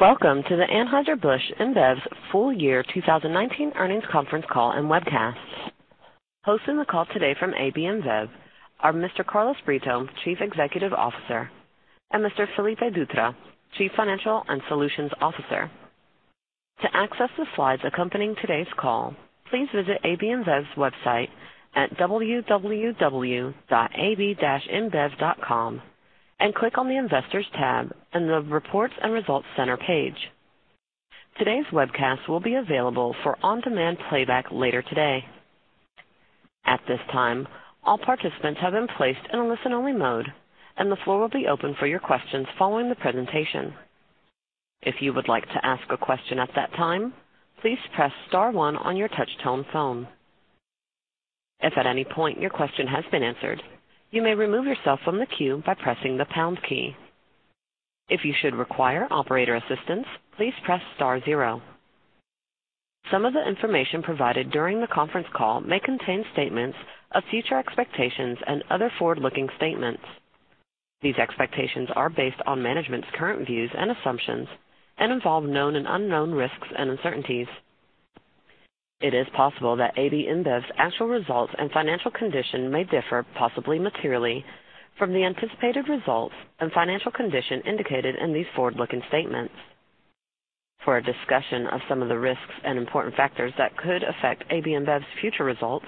Welcome to the Anheuser-Busch InBev's full year 2019 earnings conference call and webcast. Hosting the call today from AB InBev are Mr. Carlos Brito, Chief Executive Officer, and Mr. Felipe Dutra, Chief Financial and Technology Officer. To access the slides accompanying today's call, please visit AB InBev's website at www.ab-inbev.com and click on the investors tab in the reports and results center page. Today's webcast will be available for on-demand playback later today. At this time, all participants have been placed in a listen-only mode, and the floor will be open for your questions following the presentation. If you would like to ask a question at that time, please press star one on your touch-tone phone. If at any point your question has been answered, you may remove yourself from the queue by pressing the pound key. If you should require operator assistance, please press star 0. Some of the information provided during the conference call may contain statements of future expectations and other forward-looking statements. These expectations are based on management's current views and assumptions and involve known and unknown risks and uncertainties. It is possible that AB InBev's actual results and financial condition may differ, possibly materially, from the anticipated results and financial condition indicated in these forward-looking statements. For a discussion of some of the risks and important factors that could affect AB InBev's future results,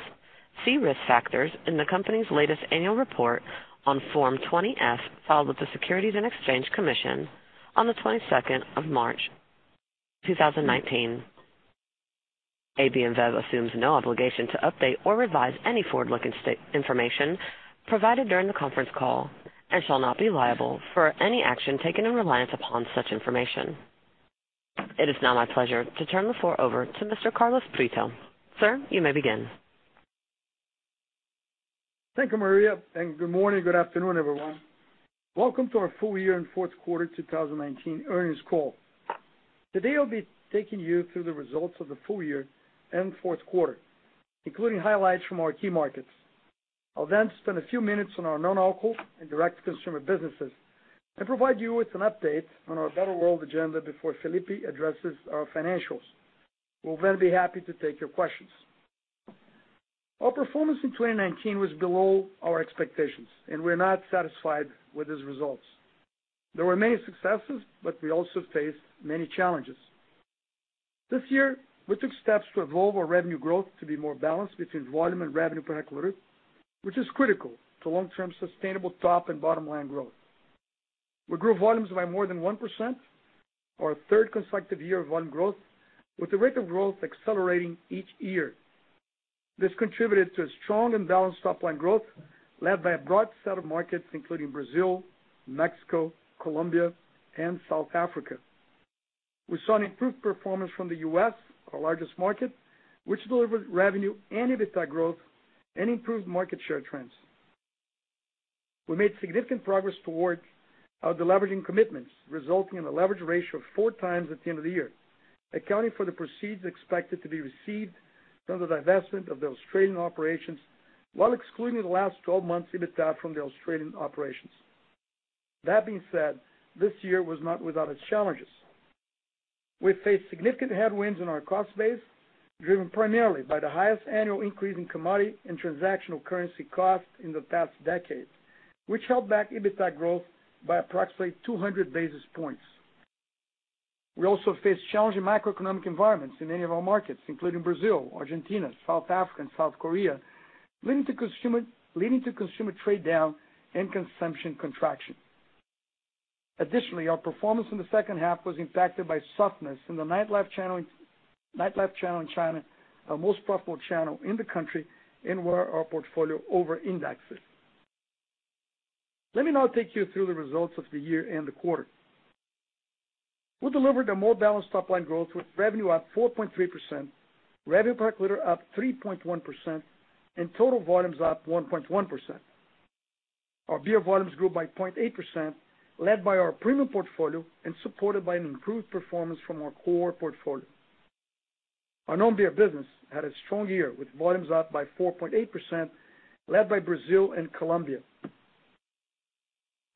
see risk factors in the company's latest annual report on Form 20-F filed with the Securities and Exchange Commission on the 22nd of March 2019. AB InBev assumes no obligation to update or revise any forward-looking information provided during the conference call and shall not be liable for any action taken in reliance upon such information. It is now my pleasure to turn the floor over to Mr. Carlos Brito. Sir, you may begin. Thank you, Maria, and good morning, good afternoon, everyone. Welcome to our Full Year and Fourth Quarter 2019 earnings call. Today, I'll be taking you through the results of the full year and fourth quarter, including highlights from our key markets. I'll then spend a few minutes on our non-alcohol and direct-to-consumer businesses and provide you with an update on our Better World agenda before Felipe addresses our financials. We'll then be happy to take your questions. Our performance in 2019 was below our expectations, and we're not satisfied with these results. There were many successes, but we also faced many challenges. This year, we took steps to evolve our revenue growth to be more balanced between volume and revenue per hectolitre, which is critical to long-term sustainable top and bottom-line growth. We grew volumes by more than 1%, our third consecutive year of volume growth, with the rate of growth accelerating each year. This contributed to a strong and balanced top-line growth led by a broad set of markets including Brazil, Mexico, Colombia, and South Africa. We saw an improved performance from the U.S., our largest market, which delivered revenue and EBITDA growth and improved market share trends. We made significant progress towards our deleveraging commitments, resulting in a leverage ratio of four times at the end of the year, accounting for the proceeds expected to be received from the divestment of the Australian operations, while excluding the last 12 months' EBITDA from the Australian operations. That being said, this year was not without its challenges. We faced significant headwinds in our cost base, driven primarily by the highest annual increase in commodity and transactional currency costs in the past decade, which held back EBITDA growth by approximately 200 basis points. We also faced challenging macroeconomic environments in many of our markets, including Brazil, Argentina, South Africa, and South Korea, leading to consumer trade down and consumption contraction. Additionally, our performance in the second half was impacted by softness in the nightlife channel in China, our most profitable channel in the country and where our portfolio overindexes. Let me now take you through the results of the year and the quarter. We delivered a more balanced top-line growth with revenue up 4.3%, revenue per hectolitre up 3.1%, and total volumes up 1.1%. Our beer volumes grew by 0.8%, led by our premium portfolio and supported by an improved performance from our core portfolio. Our non-beer business had a strong year, with volumes up by 4.8%, led by Brazil and Colombia.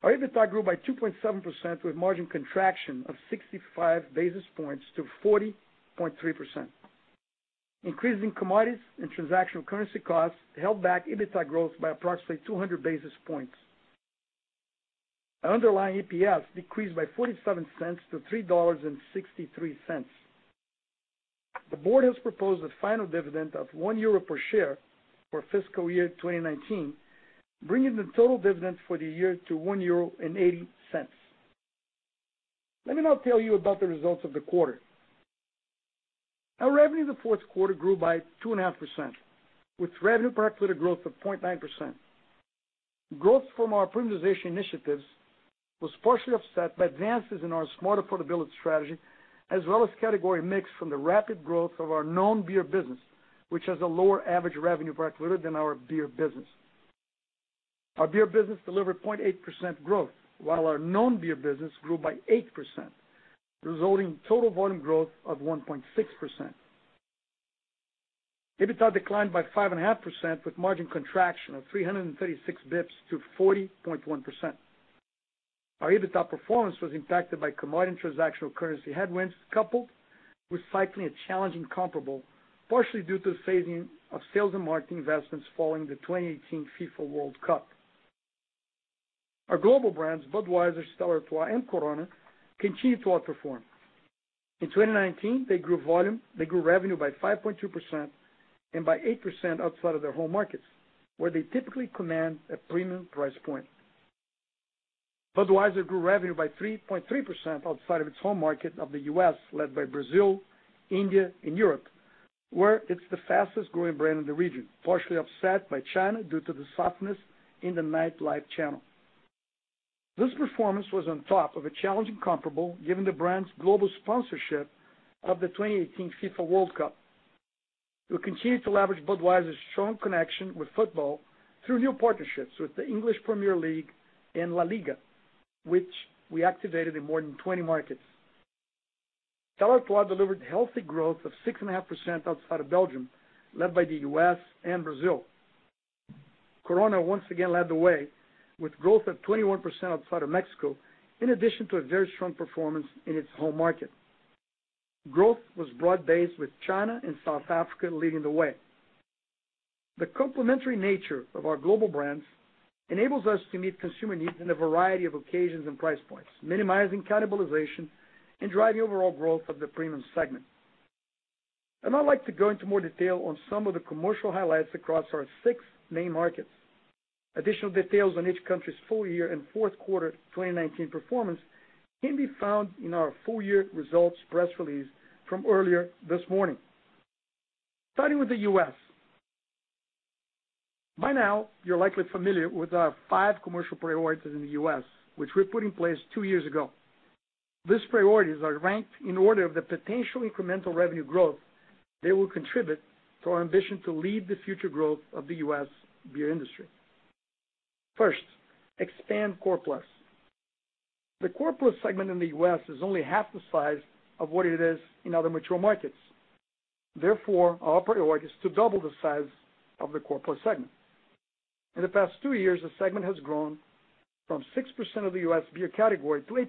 Our EBITDA grew by 2.7% with margin contraction of 65 basis points to 40.3%. Increases in commodities and transactional currency costs held back EBITDA growth by approximately 200 basis points. Our underlying EPS decreased by 0.47 to EUR 3.63. The board has proposed a final dividend of 1 euro per share for fiscal year 2019, bringing the total dividends for the year to 1.80 euro. Let me now tell you about the results of the quarter. Our revenue in the fourth quarter grew by 2.5%, with revenue per hectolitre growth of 0.9%. Growth from our premiumization initiatives was partially offset by advances in our smart affordability strategy, as well as category mix from the rapid growth of our non-beer business, which has a lower average revenue per hectolitre than our beer business. Our beer business delivered 0.8% growth, while our non-beer business grew by 8%, resulting in total volume growth of 1.6%. EBITDA declined by 5.5% with margin contraction of 336 basis points to 40.1%. Our EBITDA performance was impacted by commodity and transactional currency headwinds, coupled with cycling a challenging comparable, partially due to the phasing of sales and marketing investments following the 2018 FIFA World Cup. Our global brands, Budweiser, Stella Artois, and Corona, continue to outperform. In 2019, they grew revenue by 5.2% and by 8% outside of their home markets, where they typically command a premium price point. Budweiser grew revenue by 3.3% outside of its home market of the U.S., led by Brazil, India, and Europe, where it's the fastest-growing brand in the region, partially offset by China due to the softness in the nightlife channel. This performance was on top of a challenging comparable given the brand's global sponsorship of the 2018 FIFA World Cup. We continue to leverage Budweiser's strong connection with football through new partnerships with the English Premier League and La Liga, which we activated in more than 20 markets. Stella Artois delivered healthy growth of 6.5% outside of Belgium, led by the U.S. and Brazil. Corona once again led the way with growth of 21% outside of Mexico, in addition to a very strong performance in its home market. Growth was broad-based, with China and South Africa leading the way. The complementary nature of our global brands enables us to meet consumer needs in a variety of occasions and price points, minimizing cannibalization and driving overall growth of the premium segment. I'd now like to go into more detail on some of the commercial highlights across our six main markets. Additional details on each country's full-year and fourth quarter 2019 performance can be found in our full-year results press release from earlier this morning. Starting with the U.S.. By now, you're likely familiar with our five commercial priorities in the U.S., which were put in place two years ago. These priorities are ranked in order of the potential incremental revenue growth they will contribute to our ambition to lead the future growth of the U.S. beer industry. First, expand core plus. The core plus segment in the U.S. is only half the size of what it is in other mature markets. Therefore, our priority is to double the size of the core plus segment. In the past two years, the segment has grown from 6% of the U.S. beer category to 8%,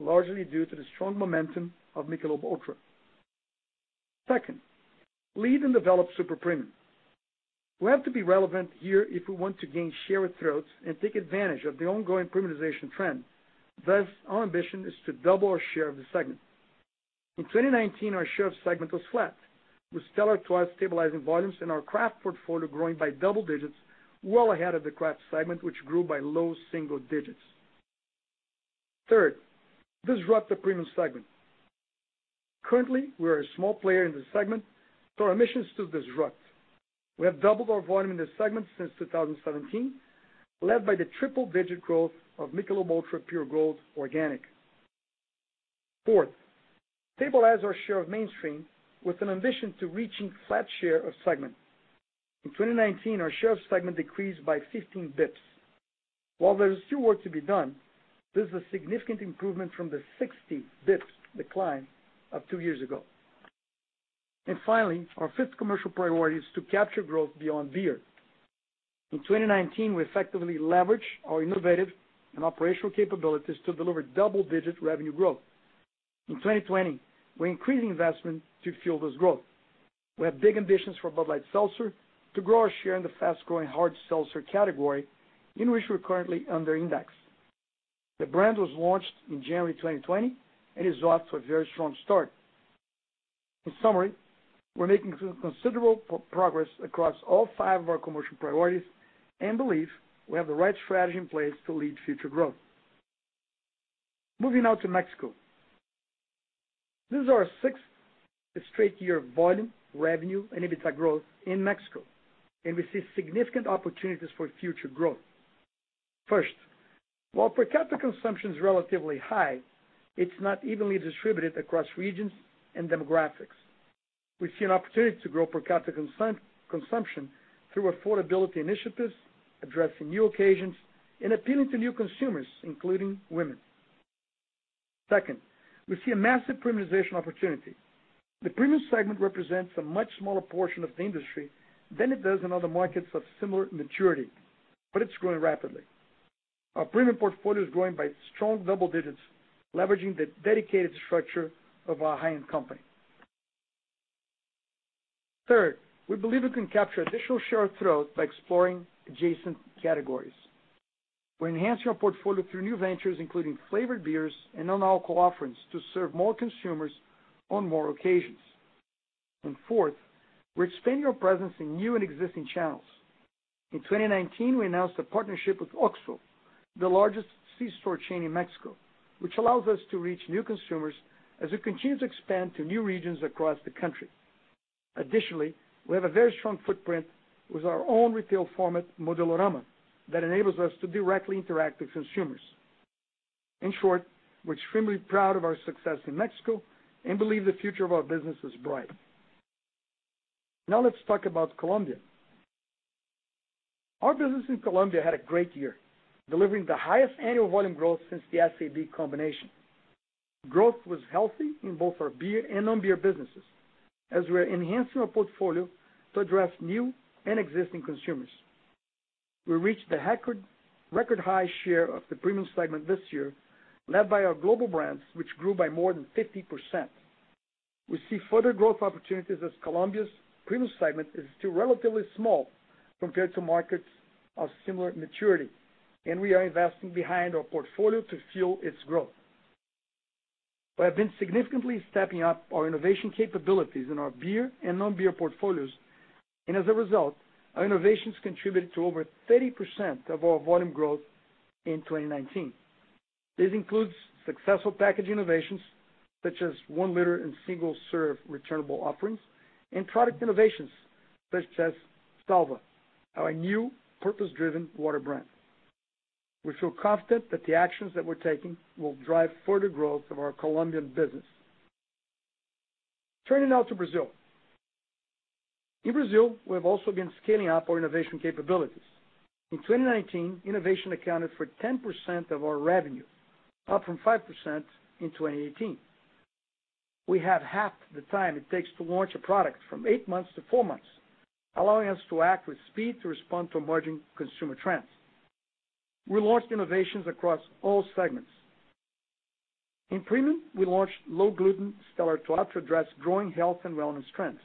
largely due to the strong momentum of Michelob ULTRA. Second, lead and develop super premium. We have to be relevant here if we want to gain share of throat and take advantage of the ongoing premiumization trend. Thus, our ambition is to double our share of the segment. In 2019, our share of segment was flat, with Stella Artois stabilizing volumes and our craft portfolio growing by double digits well ahead of the craft segment, which grew by low single digits. Third, disrupt the premium segment. Currently, we are a small player in this segment, so our mission is to disrupt. We have doubled our volume in this segment since 2017, led by the triple-digit growth of Michelob ULTRA Pure Gold organic. Fourth, stabilize our share of mainstream with an ambition to reaching flat share of segment. In 2019, our share of segment decreased by 15 basis points. While there is still work to be done, this is a significant improvement from the 60 basis points decline of two years ago. Finally, our fifth commercial priority is to capture growth beyond beer. In 2019, we effectively leveraged our innovative and operational capabilities to deliver double-digit revenue growth. In 2020, we're increasing investment to fuel this growth. We have big ambitions for Bud Light Seltzer to grow our share in the fast-growing hard seltzer category, in which we're currently under index. The brand was launched in January 2020 and is off to a very strong start. In summary, we're making considerable progress across all five of our commercial priorities and believe we have the right strategy in place to lead future growth. Moving now to Mexico. This is our sixth straight year of volume, revenue, and EBITDA growth in Mexico, and we see significant opportunities for future growth. First, while per capita consumption is relatively high, it's not evenly distributed across regions and demographics. We see an opportunity to grow per capita consumption through affordability initiatives, addressing new occasions, and appealing to new consumers, including women. Second, we see a massive premiumization opportunity. The premium segment represents a much smaller portion of the industry than it does in other markets of similar maturity, but it's growing rapidly. Our premium portfolio is growing by strong double digits, leveraging the dedicated structure of our High End. Third, we believe we can capture additional share of throat by exploring adjacent categories. We're enhancing our portfolio through new ventures, including flavored beers and non-alcohol offerings, to serve more consumers on more occasions. Fourth, we're expanding our presence in new and existing channels. In 2019, we announced a partnership with OXXO, the largest c-store chain in Mexico, which allows us to reach new consumers as we continue to expand to new regions across the country. Additionally, we have a very strong footprint with our own retail format, Modelorama, that enables us to directly interact with consumers. In short, we're extremely proud of our success in Mexico and believe the future of our business is bright. Now let's talk about Colombia. Our business in Colombia had a great year, delivering the highest annual volume growth since the SAB combination. Growth was healthy in both our beer and non-beer businesses as we are enhancing our portfolio to address new and existing consumers. We reached the record high share of the premium segment this year, led by our global brands, which grew by more than 50%. We see further growth opportunities as Colombia's premium segment is still relatively small compared to markets of similar maturity, and we are investing behind our portfolio to fuel its growth. We have been significantly stepping up our innovation capabilities in our beer and non-beer portfolios, and as a result, our innovations contributed to over 30% of our volume growth in 2019. This includes successful package innovations such as one liter and single-serve returnable offerings, and product innovations such as Salva, our new purpose-driven water brand. We feel confident that the actions that we're taking will drive further growth of our Colombian business. Turning now to Brazil. In Brazil, we have also been scaling up our innovation capabilities. In 2019, innovation accounted for 10% of our revenue, up from 5% in 2018. We have halved the time it takes to launch a product from eight months to four months, allowing us to act with speed to respond to emerging consumer trends. We launched innovations across all segments. In premium, we launched low gluten Stella Artois to address growing health and wellness trends.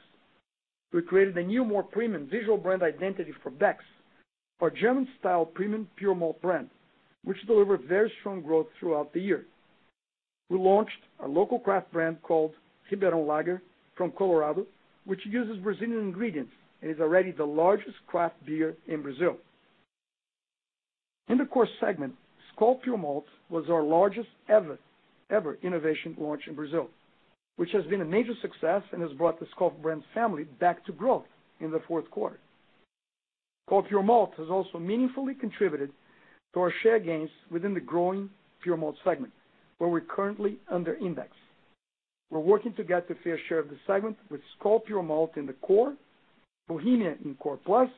We created a new, more premium visual brand identity for Beck's, our German-style premium pure malt brand, which delivered very strong growth throughout the year. We launched a local craft brand called Ribeirão Lager from Colorado, which uses Brazilian ingredients and is already the largest craft beer in Brazil. In the core segment, Skol Puro Malte was our largest ever innovation launch in Brazil, which has been a major success and has brought the Skol brand family back to growth in the fourth quarter. Skol Puro Malte has also meaningfully contributed to our share gains within the growing pure malt segment, where we're currently under index. We're working to get a fair share of the segment with Skol Puro Malte in the core, Bohemia in core plus,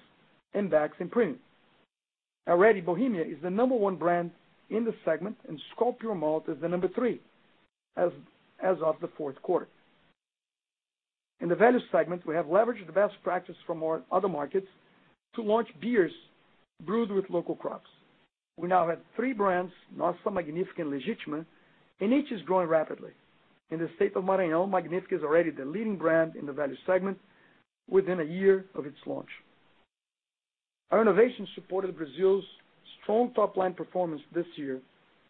and Beck's in premium. Already, Bohemia is the number one brand in the segment, and Skol Puro Malte is the number three as of the fourth quarter. In the value segment, we have leveraged the best practice from our other markets to launch beers brewed with local crops. We now have three brands, Nossa, Magnífica, and Legítima, and each is growing rapidly. In the state of Maranhão, Magnífica is already the leading brand in the value segment within a year of its launch. Our innovation supported Brazil's strong top-line performance this year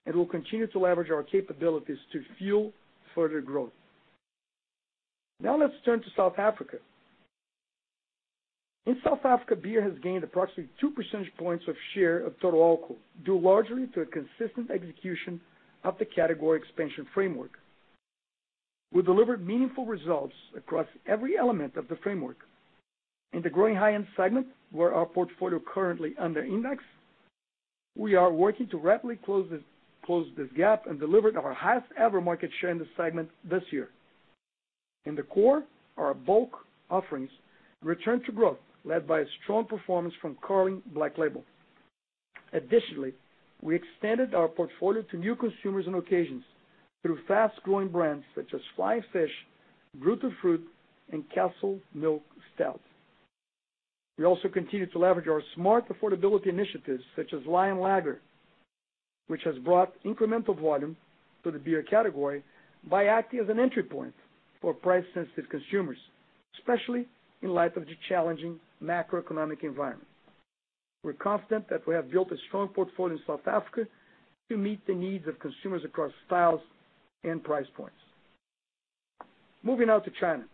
and will continue to leverage our capabilities to fuel further growth. Let's turn to South Africa. In South Africa, beer has gained approximately two percentage points of share of total alcohol, due largely to a consistent execution of the category expansion framework. We delivered meaningful results across every element of the framework. In the growing high-end segment, where our portfolio currently under index, we are working to rapidly close this gap and delivered our highest-ever market share in this segment this year. In the core, our bulk offerings returned to growth led by a strong performance from Carling Black Label. We extended our portfolio to new consumers and occasions through fast-growing brands such as Flying Fish, Brutal Fruit, and Castle Milk Stout. We also continue to leverage our smart affordability initiatives such as Lion Lager, which has brought incremental volume to the beer category by acting as an entry point for price-sensitive consumers, especially in light of the challenging macroeconomic environment. We're confident that we have built a strong portfolio in South Africa to meet the needs of consumers across styles and price points. Moving now to China.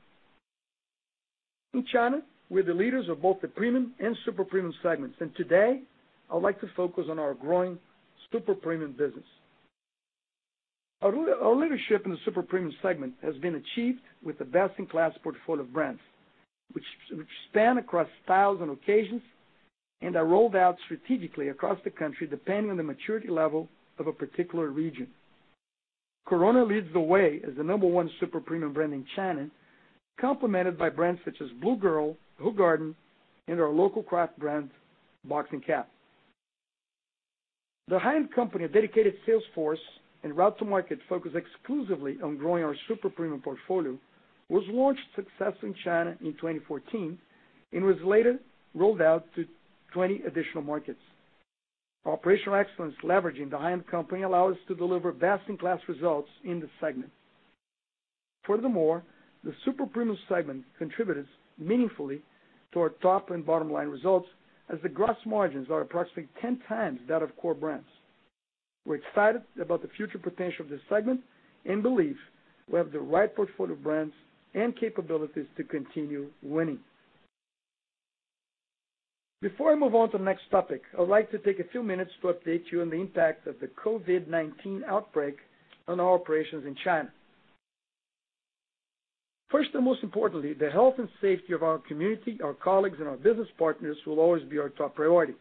In China, we're the leaders of both the premium and super premium segments, and today, I would like to focus on our growing super premium business. Our leadership in the super premium segment has been achieved with a best-in-class portfolio of brands, which span across styles and occasions and are rolled out strategically across the country, depending on the maturity level of a particular region. Corona leads the way as the number one super premium brand in China, complemented by brands such as Blue Girl, Hoegaarden, and our local craft brand, Boxing Cat. The High End company, a dedicated sales force and route to market focused exclusively on growing our super premium portfolio, was launched successfully in China in 2014 and was later rolled out to 20 additional markets. Our operational excellence leveraging The High End allowed us to deliver best-in-class results in this segment. The super premium segment contributes meaningfully to our top and bottom line results as the gross margins are approximately 10x that of core brands. We're excited about the future potential of this segment and believe we have the right portfolio brands and capabilities to continue winning. Before I move on to the next topic, I would like to take a few minutes to update you on the impact of the COVID-19 outbreak on our operations in China. First and most importantly, the health and safety of our community, our colleagues, and our business partners will always be our top priority.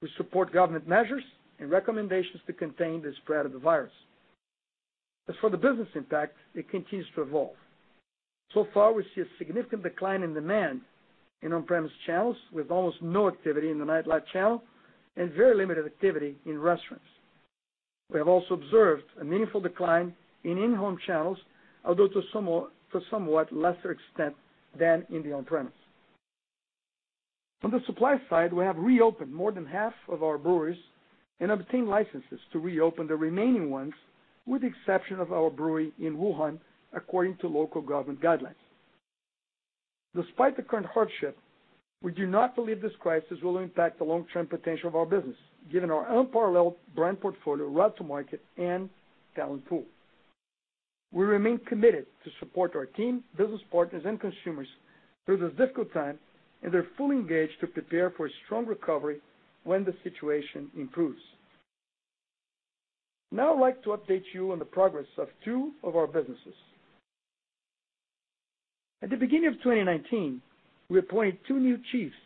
We support government measures and recommendations to contain the spread of the virus. As for the business impact, it continues to evolve. So far, we see a significant decline in demand in on-premise channels, with almost no activity in the nightlife channel and very limited activity in restaurants. We have also observed a meaningful decline in in-home channels, although to somewhat lesser extent than in the on-premise. On the supply side, we have reopened more than half of our breweries and obtained licenses to reopen the remaining ones, with the exception of our brewery in Wuhan, according to local government guidelines. Despite the current hardship, we do not believe this crisis will impact the long-term potential of our business, given our unparalleled brand portfolio, route to market, and talent pool. We remain committed to support our team, business partners, and consumers through this difficult time, and they're fully engaged to prepare for a strong recovery when the situation improves. Now I'd like to update you on the progress of two of our businesses. At the beginning of 2019, we appointed two new Chiefs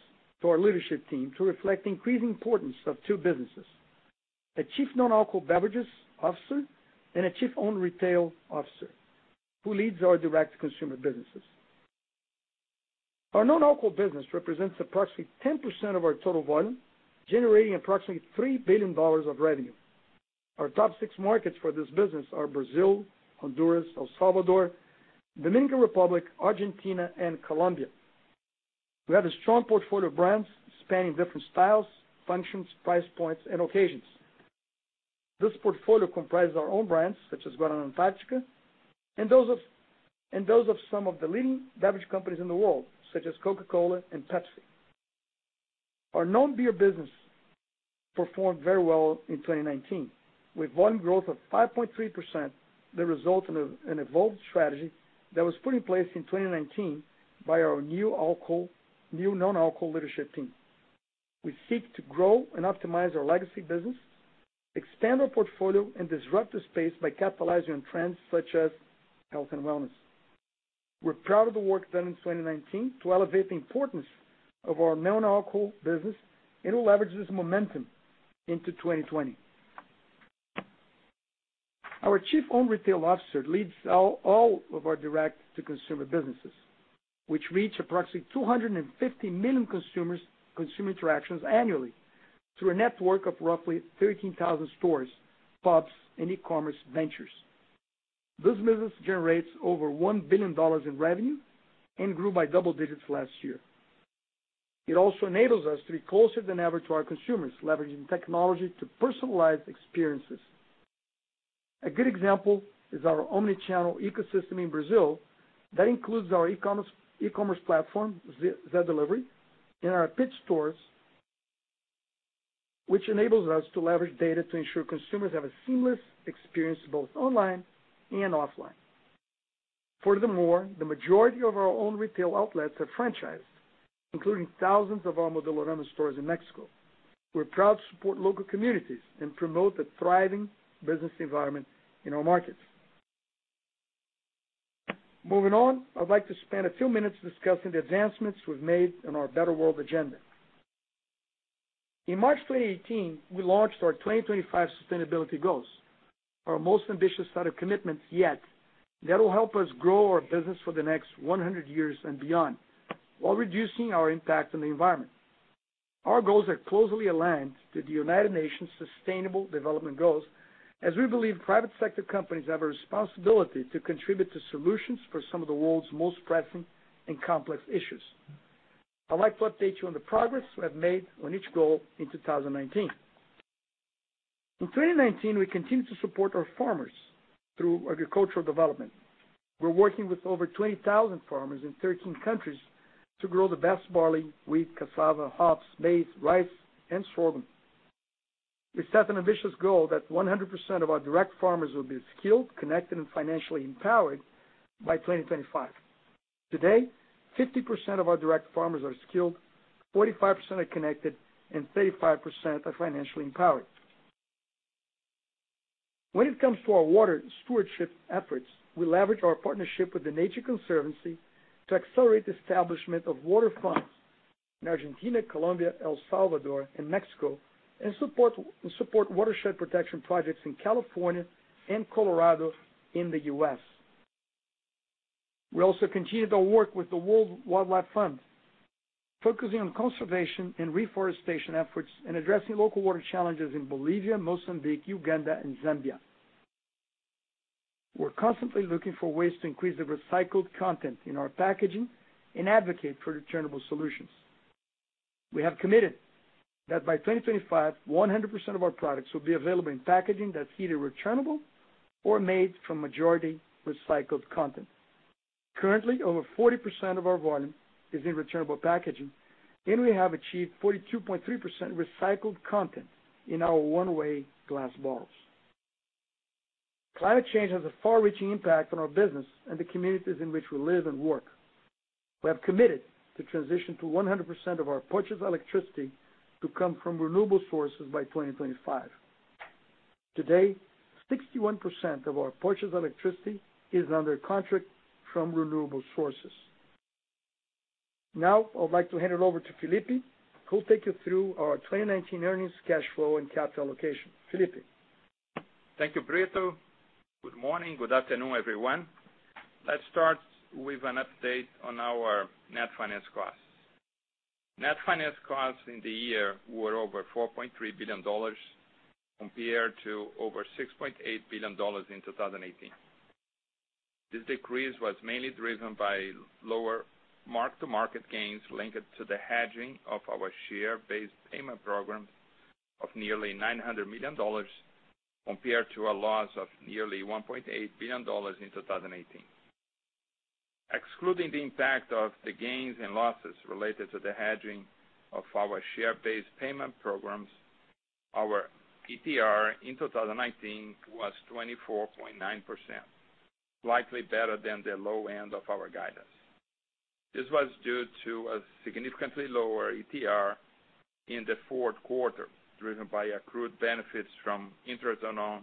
to our leadership team to reflect the increasing importance of two businesses, a Chief Non-Alcohol Beverages Officer and a Chief Owned Retail Officer who leads our direct-to-consumer businesses. Our non-alcohol business represents approximately 10% of our total volume, generating approximately $3 billion of revenue. Our top six markets for this business are Brazil, Honduras, El Salvador, Dominican Republic, Argentina, and Colombia. We have a strong portfolio of brands spanning different styles, functions, price points, and occasions. This portfolio comprises our own brands, such as Guaraná Antarctica, and those of some of the leading beverage companies in the world, such as Coca-Cola and Pepsi. Our non-beer business performed very well in 2019, with volume growth of 5.3%, the result of an evolved strategy that was put in place in 2019 by our new non-alcohol leadership team. We seek to grow and optimize our legacy business, expand our portfolio, and disrupt the space by capitalizing on trends such as health and wellness. We're proud of the work done in 2019 to elevate the importance of our non-alcohol business. We'll leverage this momentum into 2020. Our Chief Owned Retail Officer leads all of our direct-to-consumer businesses, which reach approximately 250 million consumer interactions annually through a network of roughly 13,000 stores, pubs, and e-commerce ventures. This business generates over $1 billion in revenue and grew by double digits last year. It also enables us to be closer than ever to our consumers, leveraging technology to personalize experiences. A good example is our omni-channel ecosystem in Brazil that includes our e-commerce platform, Zé Delivery, and our pit stores, which enables us to leverage data to ensure consumers have a seamless experience both online and offline. The majority of our own retail outlets are franchised, including thousands of our Modelorama stores in Mexico. We're proud to support local communities and promote the thriving business environment in our markets. Moving on, I'd like to spend a few minutes discussing the advancements we've made on our Better World agenda. In March 2018, we launched our 2025 sustainability goals, our most ambitious set of commitments yet, that will help us grow our business for the next 100 years and beyond while reducing our impact on the environment. Our goals are closely aligned to the United Nations Sustainable Development Goals, as we believe private sector companies have a responsibility to contribute to solutions for some of the world's most pressing and complex issues. I'd like to update you on the progress we have made on each goal in 2019. In 2019, we continued to support our farmers through agricultural development. We're working with over 20,000 farmers in 13 countries to grow the best barley, wheat, cassava, hops, maize, rice, and sorghum. We set an ambitious goal that 100% of our direct farmers will be skilled, connected, and financially empowered by 2025. Today, 50% of our direct farmers are skilled, 45% are connected, and 35% are financially empowered. When it comes to our water stewardship efforts, we leverage our partnership with The Nature Conservancy to accelerate the establishment of water funds in Argentina, Colombia, El Salvador, and Mexico, and support watershed protection projects in California and Colorado in the U.S. We also continued our work with the World Wildlife Fund, focusing on conservation and reforestation efforts and addressing local water challenges in Bolivia, Mozambique, Uganda, and Zambia. We're constantly looking for ways to increase the recycled content in our packaging and advocate for returnable solutions. We have committed that by 2025, 100% of our products will be available in packaging that's either returnable or made from majority recycled content. Currently, over 40% of our volume is in returnable packaging, and we have achieved 42.3% recycled content in our one-way glass bottles. Climate change has a far-reaching impact on our business and the communities in which we live and work. We have committed to transition to 100% of our purchased electricity to come from renewable sources by 2025. Today, 61% of our purchased electricity is under contract from renewable sources. Now, I would like to hand it over to Felipe, who will take you through our 2019 earnings, cash flow, and capital allocation. Felipe? Thank you, Brito. Good morning. Good afternoon, everyone. Let's start with an update on our net finance costs. Net finance costs in the year were over $4.3 billion, compared to over $6.8 billion in 2018. This decrease was mainly driven by lower mark-to-market gains linked to the hedging of our share-based payment programs of nearly $900 million, compared to a loss of nearly $1.8 billion in 2018. Excluding the impact of the gains and losses related to the hedging of our share-based payment programs, our ETR in 2019 was 24.9%, slightly better than the low end of our guidance. This was due to a significantly lower ETR in the fourth quarter, driven by accrued benefits from interest on our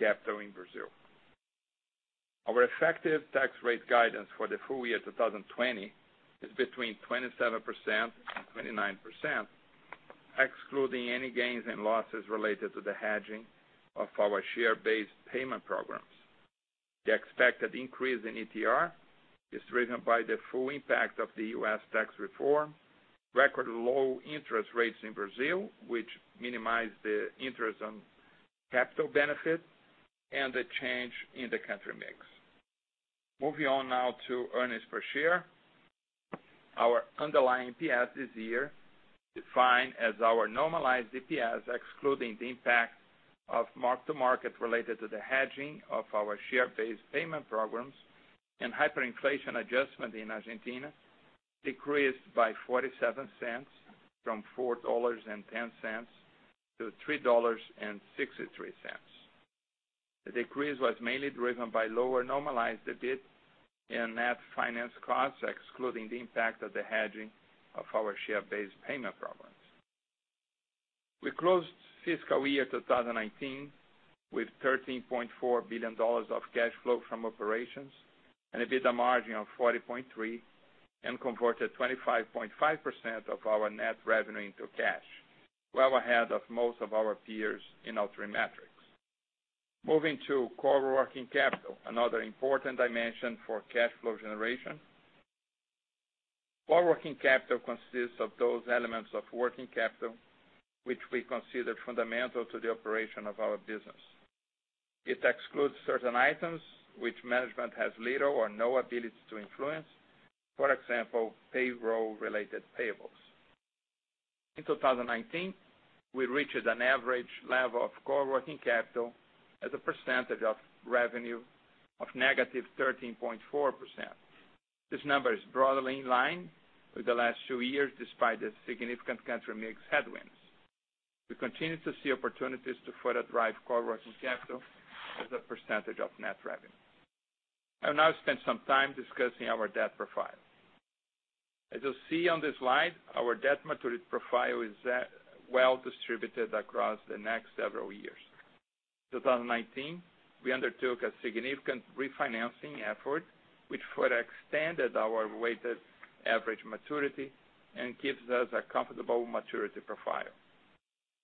capital in Brazil. Our effective tax rate guidance for the full year 2020 is between 27%-29%, excluding any gains and losses related to the hedging of our share-based payment programs. The expected increase in ETR is driven by the full impact of the U.S. tax reform, record low interest rates in Brazil, which minimize the interest on capital benefit, and a change in the country mix. Moving on now to earnings per share. Our underlying EPS this year, defined as our normalized EPS, excluding the impact of mark-to-market related to the hedging of our share-based payment programs and hyperinflation adjustment in Argentina, decreased by $0.47 from $4.10 to $3.63. The decrease was mainly driven by lower normalized EBIT and net finance costs, excluding the impact of the hedging of our share-based payment programs. We closed fiscal year 2019 with $13.4 billion of cash flow from operations and an EBITDA margin of 40.3%. Converted 25.5% of our net revenue into cash, well ahead of most of our peers in all three metrics. Moving to core working capital, another important dimension for cash flow generation. Core working capital consists of those elements of working capital, which we consider fundamental to the operation of our business. It excludes certain items which management has little or no ability to influence. For example, payroll-related payables. In 2019, we reached an average level of core working capital as a percentage of revenue of negative 13.4%. This number is broadly in line with the last two years, despite the significant country mix headwinds. We continue to see opportunities to further drive core working capital as a percentage of net revenue. I'll now spend some time discussing our debt profile. As you'll see on this slide, our debt maturity profile is well distributed across the next several years. 2019, we undertook a significant refinancing effort, which further extended our weighted average maturity and gives us a comfortable maturity profile.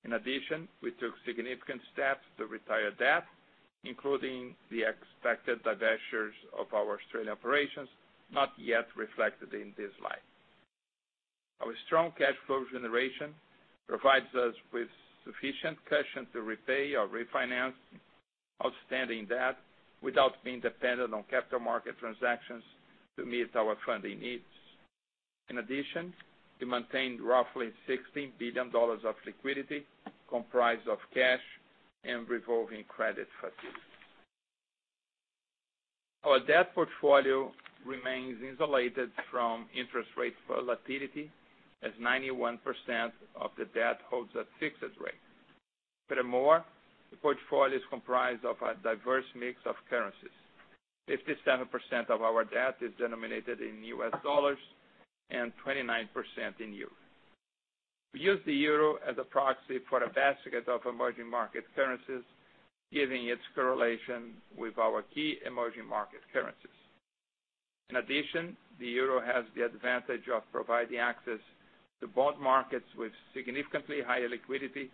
In addition, we took significant steps to retire debt, including the expected divestitures of our Australian operations, not yet reflected in this slide. Our strong cash flow generation provides us with sufficient cushion to repay or refinance outstanding debt without being dependent on capital market transactions to meet our funding needs. In addition, we maintained roughly $16 billion of liquidity, comprised of cash and revolving credit facilities. Our debt portfolio remains insulated from interest rate volatility, as 91% of the debt holds a fixed rate. Furthermore, the portfolio is comprised of a diverse mix of currencies. 57% of our debt is denominated in U.S. dollars and 29% in euro. We use the euro as a proxy for a basket of emerging market currencies, given its correlation with our key emerging market currencies. In addition, the euro has the advantage of providing access to bond markets with significantly higher liquidity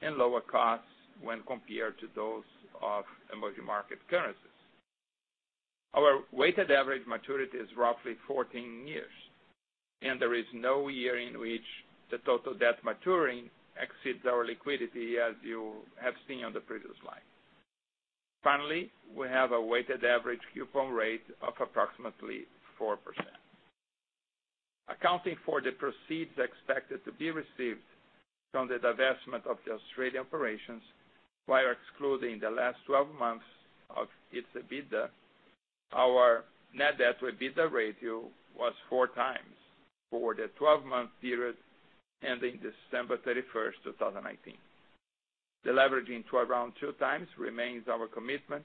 and lower costs when compared to those of emerging market currencies. Our weighted average maturity is roughly 14 years, and there is no year in which the total debt maturing exceeds our liquidity, as you have seen on the previous slide. Finally, we have a weighted average coupon rate of approximately 4%. Accounting for the proceeds expected to be received from the divestment of the Australian operations, while excluding the last 12 months of its EBITDA, our net debt to EBITDA ratio was 4x for the 12-month period ending December 31st, 2019. Deleveraging to around 2x remains our commitment.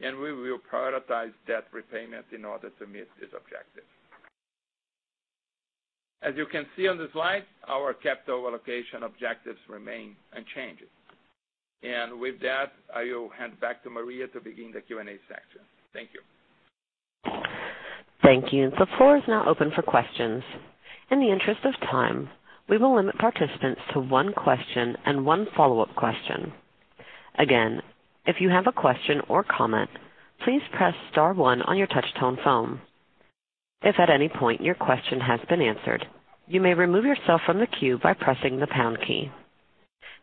We will prioritize debt repayments in order to meet this objective. As you can see on the slide, our capital allocation objectives remain unchanged. With that, I will hand back to Maria to begin the Q&A section. Thank you. Thank you. The floor is now open for questions. In the interest of time, we will limit participants to one question and one follow-up question. Again, if you have a question or comment, please press star one on your touch-tone phone. If at any point your question has been answered, you may remove yourself from the queue by pressing the pound key.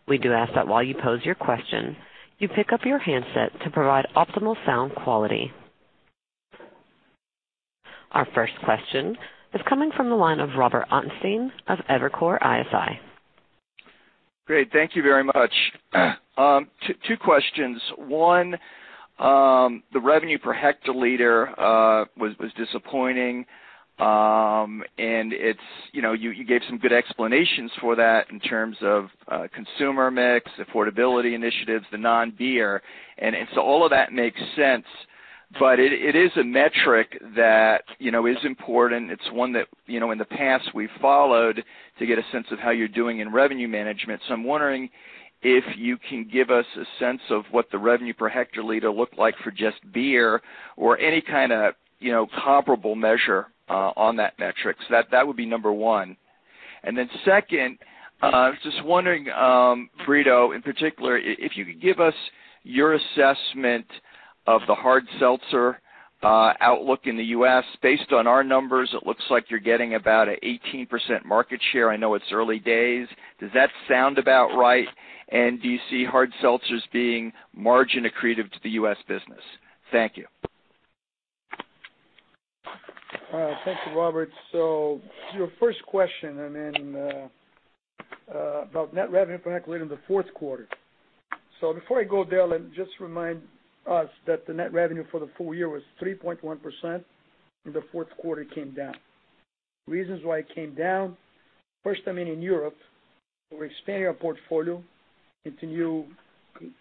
We do ask that while you pose your question, you pick up your handset to provide optimal sound quality. Our first question is coming from the line of Robert Ottenstein of Evercore ISI. Great. Thank you very much. Two questions. One, the revenue per hectoliter was disappointing. You gave some good explanations for that in terms of consumer mix, affordability initiatives, the non-beer. All of that makes sense, but it is a metric that is important. It's one that, in the past, we've followed to get a sense of how you're doing in revenue management. I'm wondering if you can give us a sense of what the revenue per hectoliter looked like for just beer or any kind of comparable measure on that metric. That would be number one. Second, I was just wondering, Brito, in particular, if you could give us your assessment of the hard seltzer outlook in the U.S. Based on our numbers, it looks like you're getting about an 18% market share. I know it's early days. Does that sound about right? Do you see hard seltzers being margin accretive to the U.S. business? Thank you. Thank you, Robert. Your first question about net revenue per hectoliter in the fourth quarter. Before I go there, let me just remind us that the net revenue for the full year was 3.1%, and the fourth quarter came down. Reasons why it came down. First, I mean, in Europe, we're expanding our portfolio into new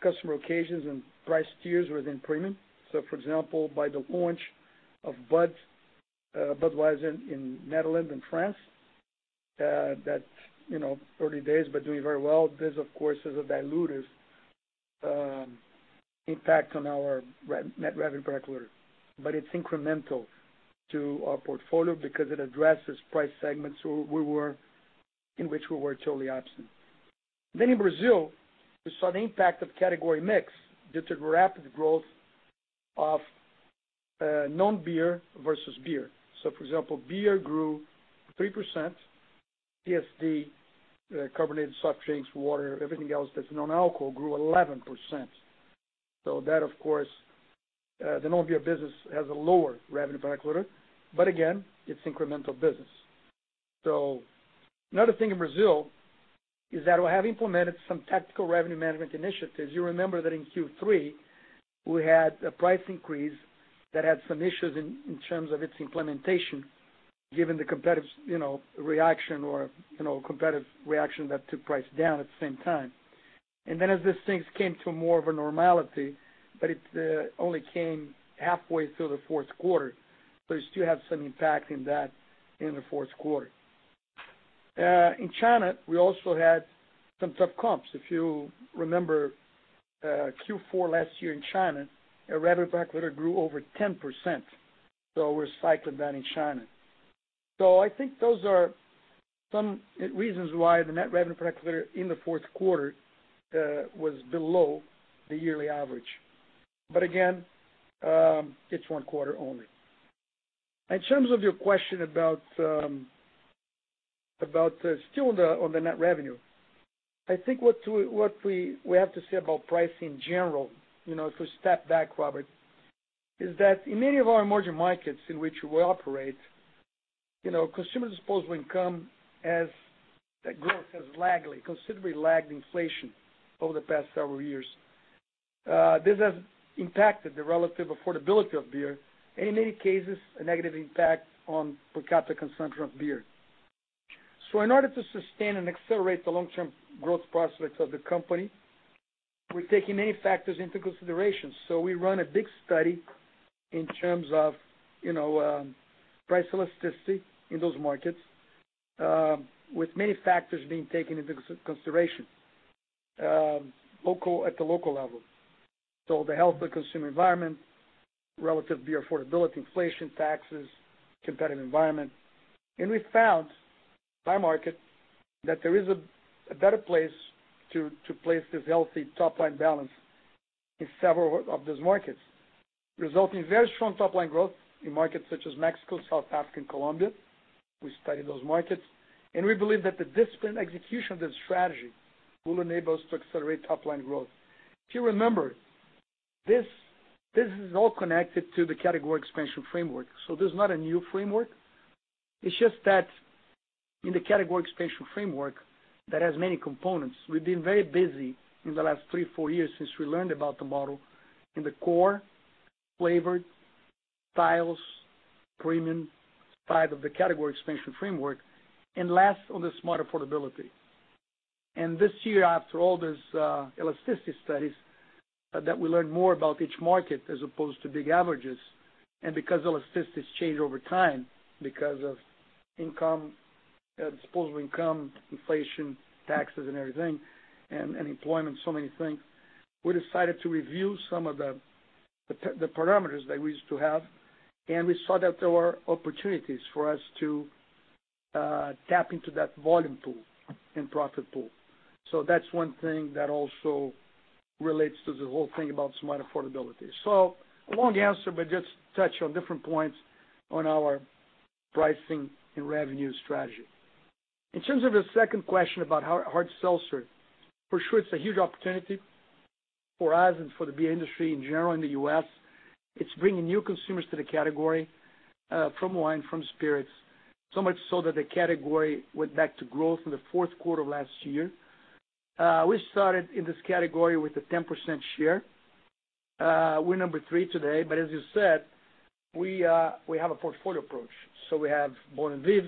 customer occasions and price tiers within premium. For example, by the launch of Budweiser in Netherlands and France, that early days but doing very well. This, of course, is a dilutive impact on our net revenue per hectoliter. It's incremental to our portfolio because it addresses price segments in which we were totally absent. In Brazil, we saw the impact of category mix due to rapid growth of non-beer versus beer. For example, beer grew 3%. CSD, carbonated soft drinks, water, everything else that's non-alcohol grew 11%. That, of course, the non-beer business has a lower revenue per hectoliter, but again, it's incremental business. Another thing in Brazil is that we have implemented some tactical revenue management initiatives. You remember that in Q3, we had a price increase that had some issues in terms of its implementation, given the competitive reaction that took price down at the same time. As these things came to more of a normality, but it only came halfway through the fourth quarter, so we still have some impact in that in the fourth quarter. In China, we also had some tough comps. If you remember Q4 last year in China, our revenue per hectoliter grew over 10%, so we're cycling that in China. I think those are some reasons why the net revenue per hectoliter in the fourth quarter was below the yearly average. Again, it's one quarter only. In terms of your question about still on the net revenue, I think what we have to say about pricing in general, if we step back, Robert, is that in many of our emerging markets in which we operate, consumer disposable income as that growth has considerably lagged inflation over the past several years. This has impacted the relative affordability of beer, and in many cases, a negative impact on per capita consumption of beer. In order to sustain and accelerate the long-term growth prospects of the company, we're taking many factors into consideration. We run a big study in terms of price elasticity in those markets, with many factors being taken into consideration at the local level. The health of the consumer environment, relative beer affordability, inflation, taxes, competitive environment. We found by market that there is a better place to place this healthy top-line balance in several of those markets, resulting in very strong top-line growth in markets such as Mexico, South Africa, and Colombia. We studied those markets, and we believe that the disciplined execution of this strategy will enable us to accelerate top-line growth. If you remember, this is all connected to the category expansion framework, so this is not a new framework. It's just that in the category expansion framework that has many components, we've been very busy in the last three, four years since we learned about the model in the core, flavored, styles, premium side of the category expansion framework, and last on the smart affordability. This year, after all these elasticity studies that we learn more about each market as opposed to big averages. Because our assist has changed over time because of disposable income, inflation, taxes and everything, and employment, so many things, we decided to review some of the parameters that we used to have, and we saw that there were opportunities for us to tap into that volume pool and profit pool. That's one thing that also relates to the whole thing about smart affordability. A long answer, but just touch on different points on our pricing and revenue strategy. In terms of the second question about hard seltzer, for sure it's a huge opportunity for us and for the beer industry in general in the U.S. It's bringing new consumers to the category, from wine, from spirits. Much so that the category went back to growth in the fourth quarter of last year. We started in this category with a 10% share. We're number three today. As you said, we have a portfolio approach. We have BON & VIV,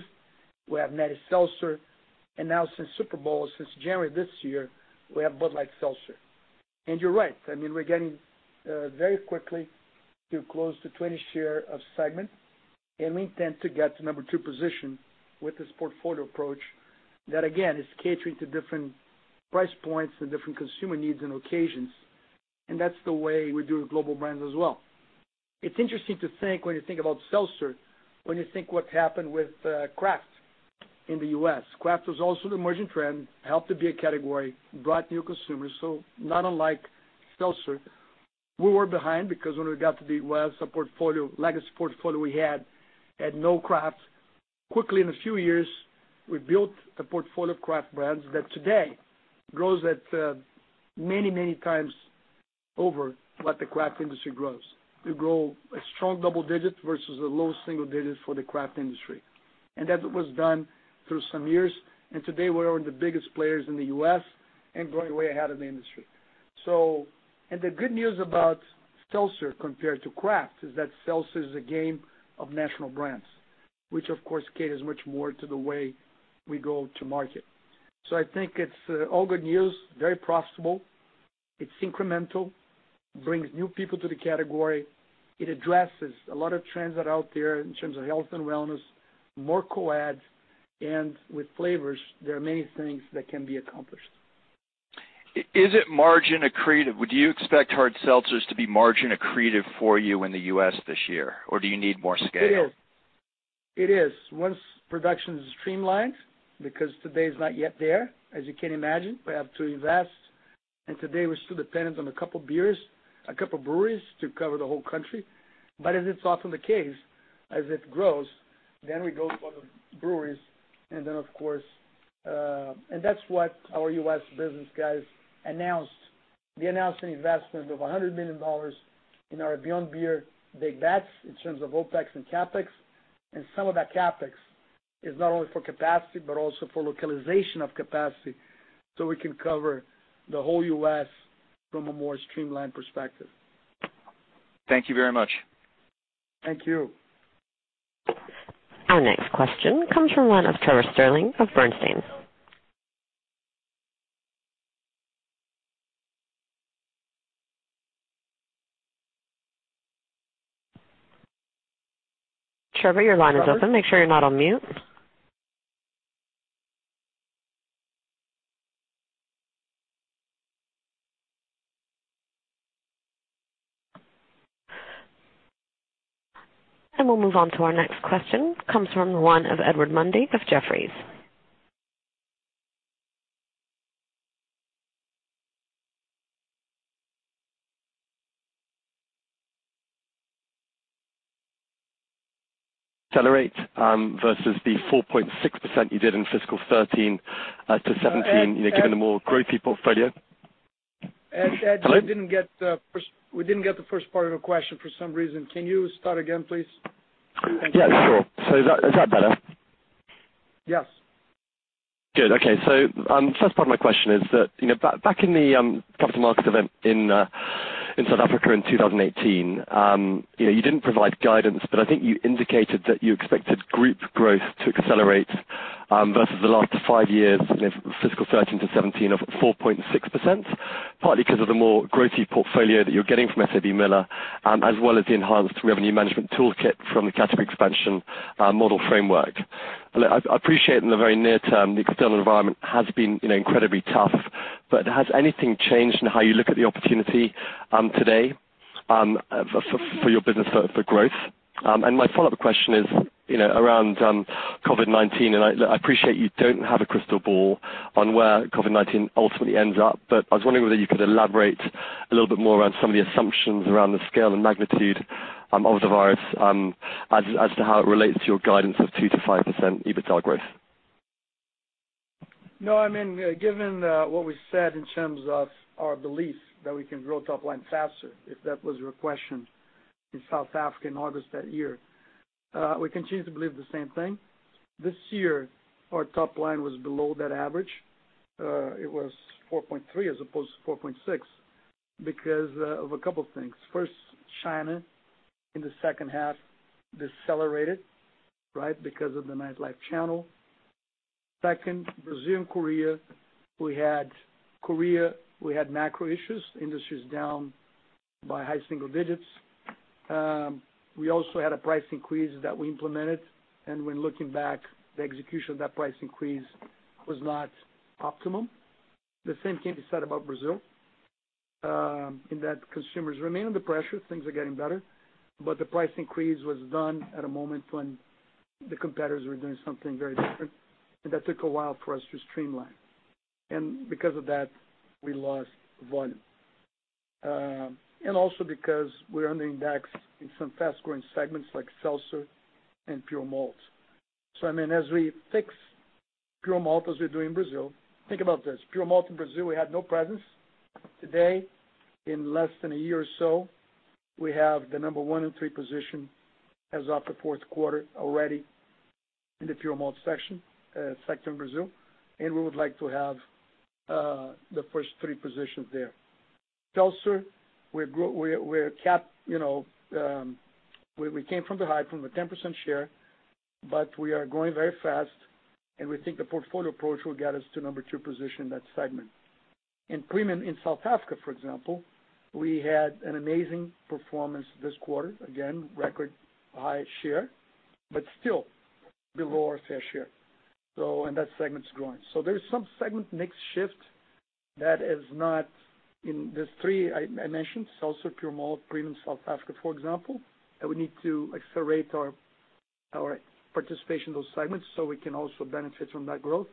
we have Natty Seltzer, and now since Super Bowl, since January this year, we have Bud Light Seltzer. You're right, we're getting very quickly to close to 20% share of segment, and we intend to get to number two position with this portfolio approach that again, is catering to different price points and different consumer needs and occasions. That's the way we do with global brands as well. It's interesting to think when you think about seltzer, when you think what happened with craft in the U.S. Craft was also an emerging trend, helped to be a category, brought new consumers. Not unlike seltzer. We were behind because when we got to the U.S., the legacy portfolio we had had no craft. Quickly, in a few years, we built a portfolio of craft brands that today grows at many times over what the craft industry grows. We grow a strong double digit versus a low single digit for the craft industry. That was done through some years, and today we are the biggest players in the U.S. and growing way ahead of the industry. The good news about seltzer compared to craft is that seltzer is a game of national brands, which of course caters much more to the way we go to market. I think it's all good news, very profitable. It's incremental. Brings new people to the category. It addresses a lot of trends that are out there in terms of health and wellness, more co-ads, and with flavors, there are many things that can be accomplished. Is it margin accretive? Do you expect hard seltzers to be margin accretive for you in the U.S. this year? Do you need more scale? It is. Once production is streamlined, because today's not yet there, as you can imagine. We have to invest, today we're still dependent on a couple beers, a couple breweries to cover the whole country. As is often the case, as it grows, we go for the breweries. That's what our U.S. business guys announced. They announced an investment of $100 million in our Beyond Beer big bets in terms of OPEX and CapEx. Some of that CapEx is not only for capacity, but also for localization of capacity so we can cover the whole U.S. from a more streamlined perspective. Thank you very much. Thank you. Our next question comes from the line of Trevor Stirling of Bernstein. Trevor, your line is open. Make sure you're not on mute. We'll move on to our next question, comes from the line of Edward Mundy of Jefferies. Accelerate, versus the 4.6% you did in fiscal 2013 to 2017, given the more growthy portfolio. Ed, we didn't get the first part of your question for some reason. Can you start again, please? Yeah, sure. Is that better? Yes. Good. Okay. First part of my question is that, back in the capital markets event in South Africa in 2018, you didn't provide guidance, but I think you indicated that you expected group growth to accelerate, versus the last five years, fiscal 2013 to 2017 of 4.6%, partly because of the more growthy portfolio that you're getting from SABMiller, as well as the enhanced revenue management toolkit from the category expansion model framework. I appreciate in the very near term, the external environment has been incredibly tough, but has anything changed in how you look at the opportunity today, for your business for growth? My follow-up question is, around COVID-19, and I appreciate you don't have a crystal ball on where COVID-19 ultimately ends up, but I was wondering whether you could elaborate a little bit more around some of the assumptions around the scale and magnitude of the virus, as to how it relates to your guidance of 2%-5% EBITDA growth. No, given what we said in terms of our belief that we can grow top line faster, if that was your question, in South Africa in August that year. We continue to believe the same thing. This year, our top line was below that average. It was 4.3% as opposed to 4.6% because of a couple things. First, China in the second half decelerated because of the nightlife channel. Second, Brazil and Korea. Korea, we had macro issues. Industry's down by high single digits. We also had a price increase that we implemented, and when looking back, the execution of that price increase was not optimum. The same can be said about Brazil, in that consumers remain under pressure. Things are getting better, but the price increase was done at a moment when the competitors were doing something very different, and that took a while for us to streamline. Because of that, we lost volume. Also because we're under-indexed in some fast-growing segments like seltzer and pure malt. As we fix pure malt, as we do in Brazil. Think about this. Pure malt in Brazil, we had no presence. Today, in less than a year or so, we have the number one and three position as of the fourth quarter already in the pure malt section, sector in Brazil, and we would like to have the first three positions there. Seltzer, we came from the high, from a 10% share, but we are growing very fast, and we think the portfolio approach will get us to number two position in that segment. In premium in South Africa, for example, we had an amazing performance this quarter. Again, record high share, but still below our fair share. That segment's growing. There's some segment mix shift that is not in these three I mentioned, seltzer, pure malt, premium South Africa, for example, that we need to accelerate our participation in those segments so we can also benefit from that growth.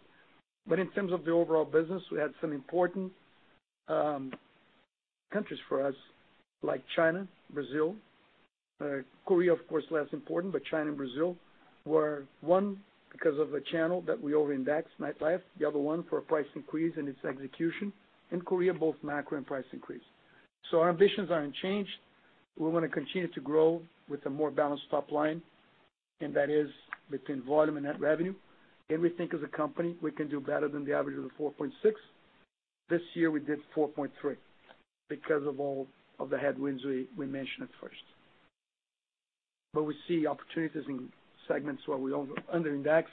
In terms of the overall business, we had some important countries for us like China, Brazil. Korea, of course, less important, but China and Brazil were, one, because of a channel that we over-indexed, nightlife, the other one for a price increase and its execution. In Korea, both macro and price increase. Our ambitions aren't changed. We want to continue to grow with a more balanced top line, and that is between volume and net revenue. We think as a company, we can do better than the average of the 4.6%. This year we did 4.3% because of all of the headwinds we mentioned at first. We see opportunities in segments where we're under-indexed,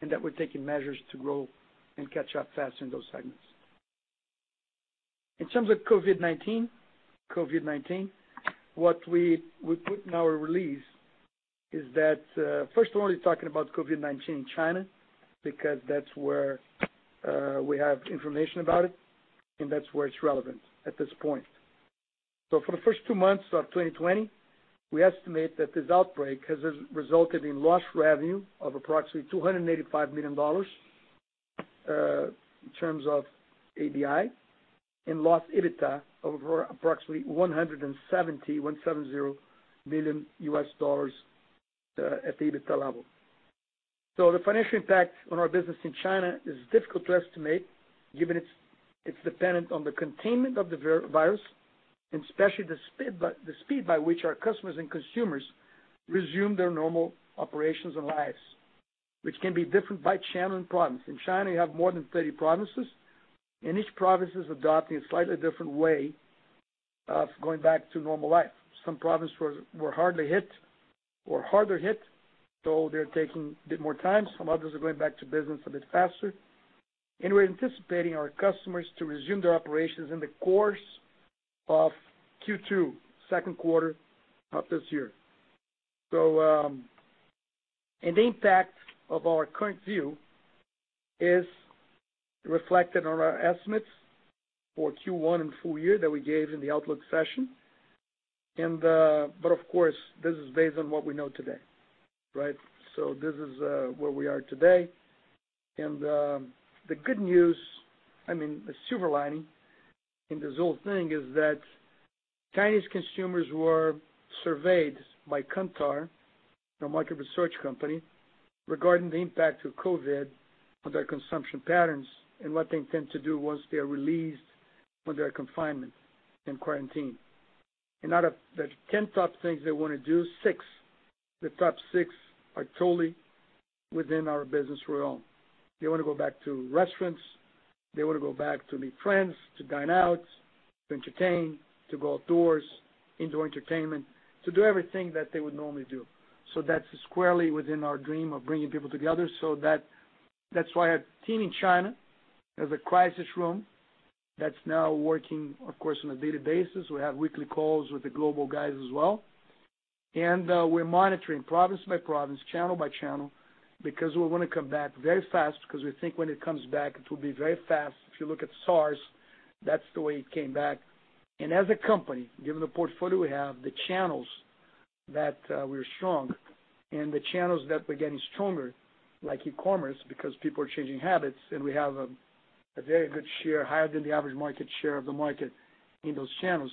and that we're taking measures to grow and catch up fast in those segments. In terms of COVID-19, what we put in our release is that, first of all, we're talking about COVID-19 in China because that's where we have information about it, and that's where it's relevant at this point. For the first two months of 2020, we estimate that this outbreak has resulted in lost revenue of approximately $285 million in terms of ABI, and lost EBITDA of approximately $170 million at the EBITDA level. The financial impact on our business in China is difficult to estimate given it's dependent on the containment of the virus and especially the speed by which our customers and consumers resume their normal operations and lives, which can be different by channel and province. In China, you have more than 30 provinces, and each province is adopting a slightly different way of going back to normal life. Some provinces were hardly hit or harder hit, so they're taking a bit more time. Some others are going back to business a bit faster. We're anticipating our customers to resume their operations in the course of Q2, second quarter of this year. An impact of our current view is reflected on our estimates for Q1 and full year that we gave in the outlook session. Of course, this is based on what we know today. Right? This is where we are today. The good news, I mean, the silver lining in this whole thing is that Chinese consumers were surveyed by Kantar, a market research company, regarding the impact of COVID on their consumption patterns and what they intend to do once they are released from their confinement and quarantine. Out of the 10 top things they want to do, six, the top six are totally within our business realm. They want to go back to restaurants, they want to go back to meet friends, to dine out, to entertain, to go outdoors, indoor entertainment, to do everything that they would normally do. That's squarely within our dream of bringing people together. That's why our team in China has a crisis room that's now working, of course, on a daily basis. We have weekly calls with the global guys as well. We are monitoring province by province, channel by channel, because we want to come back very fast, because we think when it comes back, it will be very fast. If you look at SARS, that is the way it came back. As a company, given the portfolio we have, the channels that we are strong and the channels that we are getting stronger, like e-commerce, because people are changing habits and we have a very good share, higher than the average market share of the market in those channels.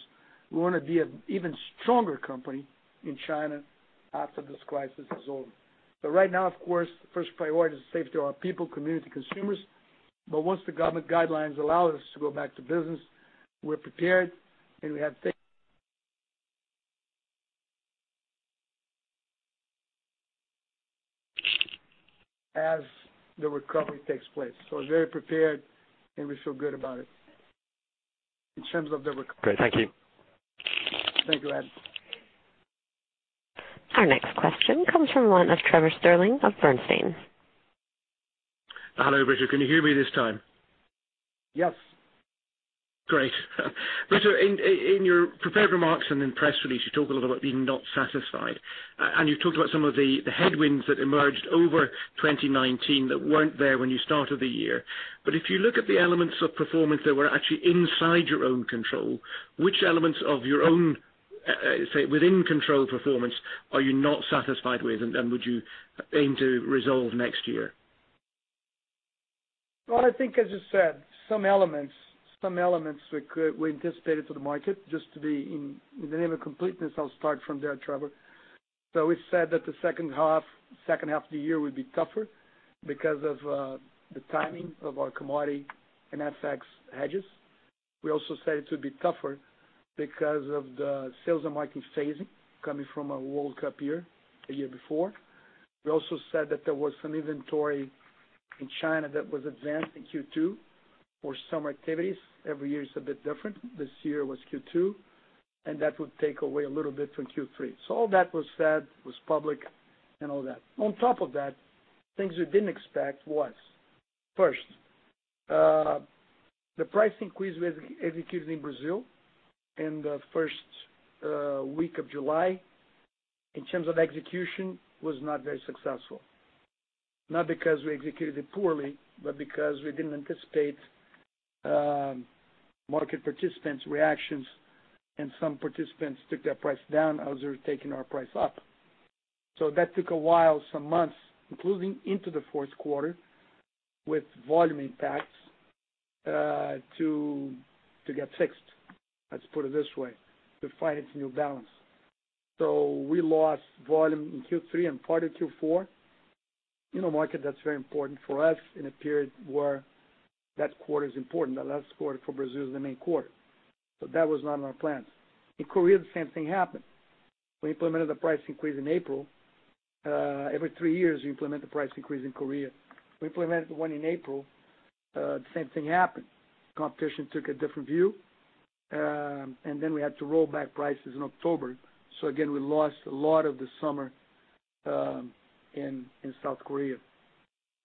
We want to be an even stronger company in China after this crisis is over. Right now, of course, first priority is safety of our people, community, consumers. Once the government guidelines allow us to go back to business, we are prepared, and we have things as the recovery takes place. We're very prepared, and we feel good about it in terms of the recovery. Great. Thank you. Thank you, Ed. Our next question comes from the line of Trevor Stirling of Bernstein. Hello, Brito. Can you hear me this time? Yes. Great. Brito, in your prepared remarks and in the press release, you talk a little about being not satisfied. You talked about some of the headwinds that emerged over 2019 that weren't there when you started the year. If you look at the elements of performance that were actually inside your own control, which elements of your own, say, within control performance, are you not satisfied with and would you aim to resolve next year? Well, I think as you said, some elements we anticipated to the market. Just in the name of completeness, I'll start from there, Trevor. We said that the second half of the year would be tougher because of the timing of our commodity and FX hedges. We also said it would be tougher because of the sales and marketing phasing coming from a World Cup year the year before. We also said that there was some inventory in China that was advanced in Q2 for summer activities. Every year is a bit different. This year it was Q2, and that would take away a little bit from Q3. All that was said, was public, and all that. On top of that, things we didn't expect was, first, the price increase we had executed in Brazil in the first week of July, in terms of execution, was not very successful. Not because we executed it poorly, but because we didn't anticipate market participants' reactions, and some participants took their price down as we were taking our price up. That took a while, some months, including into the fourth quarter, with volume impacts, to get fixed. Let's put it this way, to find its new balance. We lost volume in Q3 and part of Q4 in a market that's very important for us in a period where that quarter is important. The last quarter for Brazil is the main quarter. That was not in our plans. In Korea, the same thing happened. We implemented a price increase in April. Every three years, we implement a price increase in Korea. We implemented one in April. The same thing happened. Competition took a different view. We had to roll back prices in October. Again, we lost a lot of the summer in South Korea.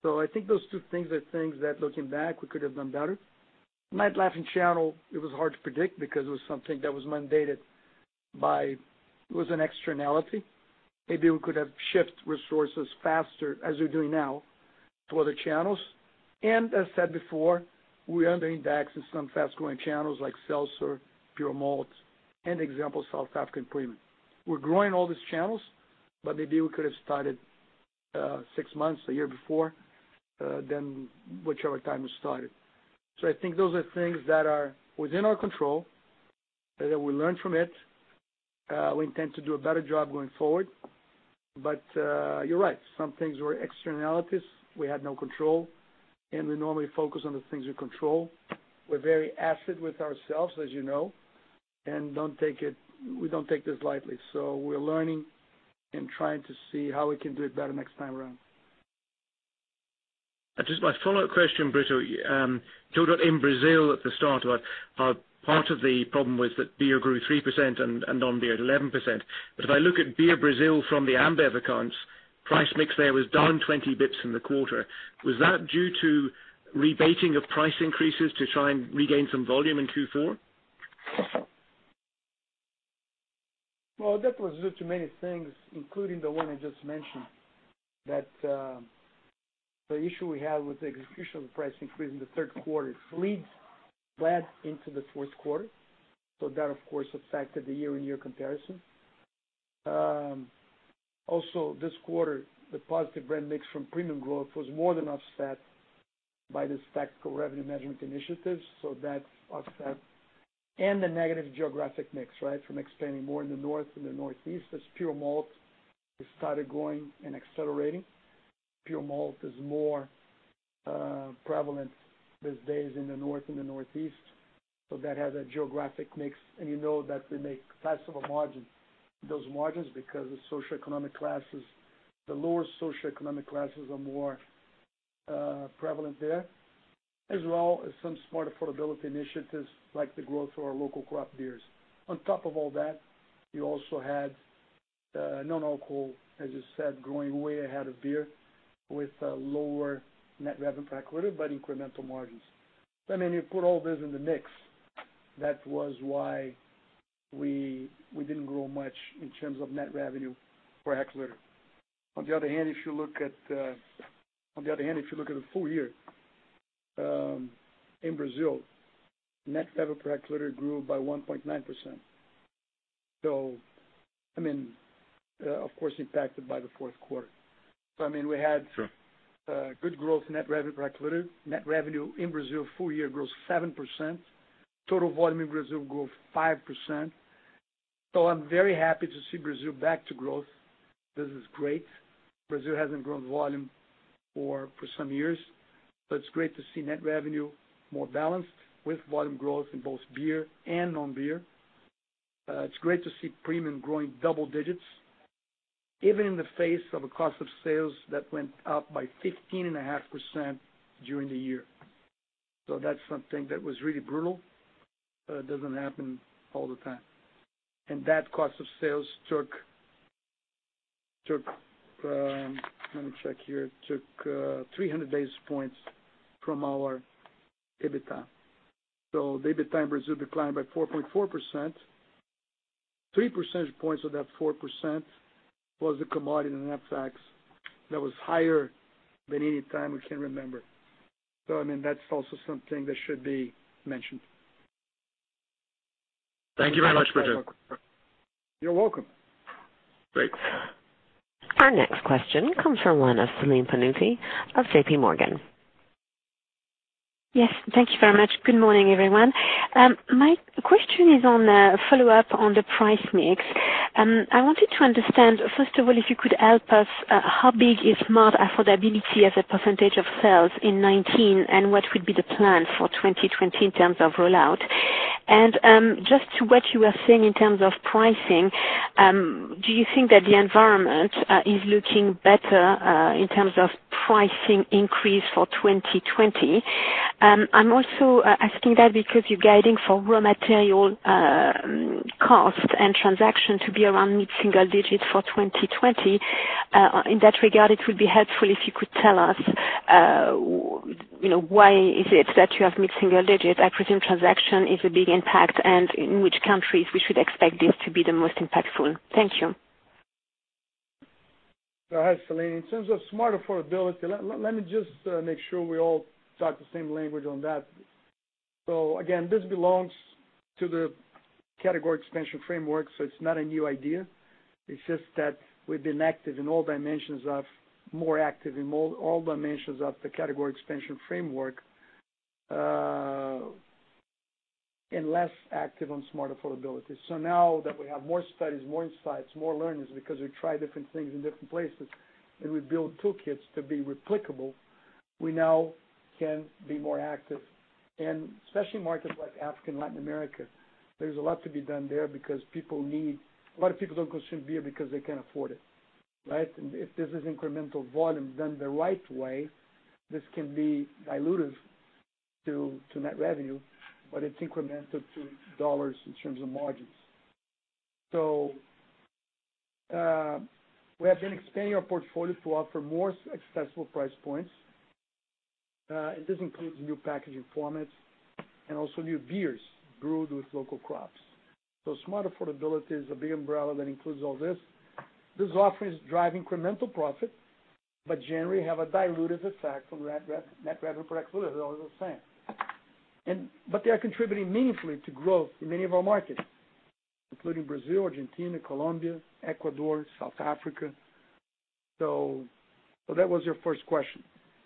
I think those two things are things that, looking back, we could have done better. Nightlife channel, it was hard to predict because it was something that was mandated. It was an externality. Maybe we could have shift resources faster, as we're doing now, to other channels. As said before, we're under index in some fast-growing channels like seltzer, pure malt, and example, South African Premium. We're growing all these channels, maybe we could have started six months, a year before than whichever time we started. I think those are things that are within our control, that we learned from it. We intend to do a better job going forward. You're right, some things were externalities. We had no control, and we normally focus on the things we control. We're very acid with ourselves, as you know, and we don't take this lightly. We're learning and trying to see how we can do it better next time around. Just my follow-up question, Brito. You talked about in Brazil at the start about how part of the problem was that beer grew 3% and non-beer at 11%. If I look at beer Brazil from the AmBev accounts, price mix there was down 20 basis points in the quarter. Was that due to rebating of price increases to try and regain some volume in Q4? Well, that was due to many things, including the one I just mentioned. The issue we had with the execution of the price increase in the third quarter bleeds red into the fourth quarter. That, of course, affected the year-on-year comparison. Also this quarter, the positive brand mix from premium growth was more than offset by this tactical revenue measurement initiatives. That offset and the negative geographic mix from expanding more in the north and the northeast as pure malt started growing and accelerating. Pure malt is more prevalent these days in the north and the northeast. That has a geographic mix. You know that we make less of a margin, those margins, because of socioeconomic classes. The lower socioeconomic classes are more prevalent there. As well as some smart affordability initiatives like the growth of our local craft beers. On top of all that, you also had non-alcohol, as you said, growing way ahead of beer with lower net revenue per hectoliter, but incremental margins. You put all this in the mix. That was why we didn't grow much in terms of net revenue per hectoliter. On the other hand, if you look at the full year, in Brazil, net revenue per hectoliter grew by 1.9%, of course impacted by the fourth quarter. Sure. Good growth net revenue per hectolitre. Net revenue in Brazil full year grew 7%. Total volume in Brazil grew 5%. I'm very happy to see Brazil back to growth. This is great. Brazil hasn't grown volume for some years, but it's great to see net revenue more balanced with volume growth in both beer and non-beer. It's great to see premium growing double digits, even in the face of a cost of sales that went up by 15.5% during the year. That's something that was really brutal. It doesn't happen all the time. That cost of sales took, let me check here, took 300 basis points from our EBITDA. The EBITDA in Brazil declined by 4.4%. Three percentage points of that 4% was the commodity and FX that was higher than any time we can remember. I mean, that's also something that should be mentioned. Thank you very much, Brito. You're welcome. Great. Our next question comes from line of Celine Pannuti of JPMorgan. Yes, thank you very much. Good morning, everyone. My question is on a follow-up on the price mix. I wanted to understand, first of all, if you could help us, how big is smart affordability as a percentage of sales in 2019, and what would be the plan for 2020 in terms of rollout? Just to what you were saying in terms of pricing, do you think that the environment is looking better in terms of pricing increase for 2020? I'm also asking that because you're guiding for raw material cost and transaction to be around mid-single digits for 2020. In that regard, it would be helpful if you could tell us why is it that you have mid-single digit. I presume transaction is a big impact, and in which countries we should expect this to be the most impactful. Thank you. All right, Celine. In terms of smart affordability, let me just make sure we all talk the same language on that. Again, this belongs to the category expansion framework, so it's not a new idea. It's just that we've been more active in all dimensions of the category expansion framework, and less active on smart affordability. Now that we have more studies, more insights, more learnings because we try different things in different places, and we build toolkits to be replicable, we now can be more active. Especially in markets like Africa and Latin America. There's a lot to be done there because a lot of people don't consume beer because they can't afford it, right? If this is incremental volume done the right way, this can be dilutive to net revenue, but it's incremental to dollars in terms of margins. We have been expanding our portfolio to offer more accessible price points. This includes new packaging formats and also new beers brewed with local crops. Smart affordability is a big umbrella that includes all this. This offering is driving incremental profit, but generally have a dilutive effect on net revenue per hectoliter, as I was saying. They are contributing meaningfully to growth in many of our markets, including Brazil, Argentina, Colombia, Ecuador, South Africa. That was your first question.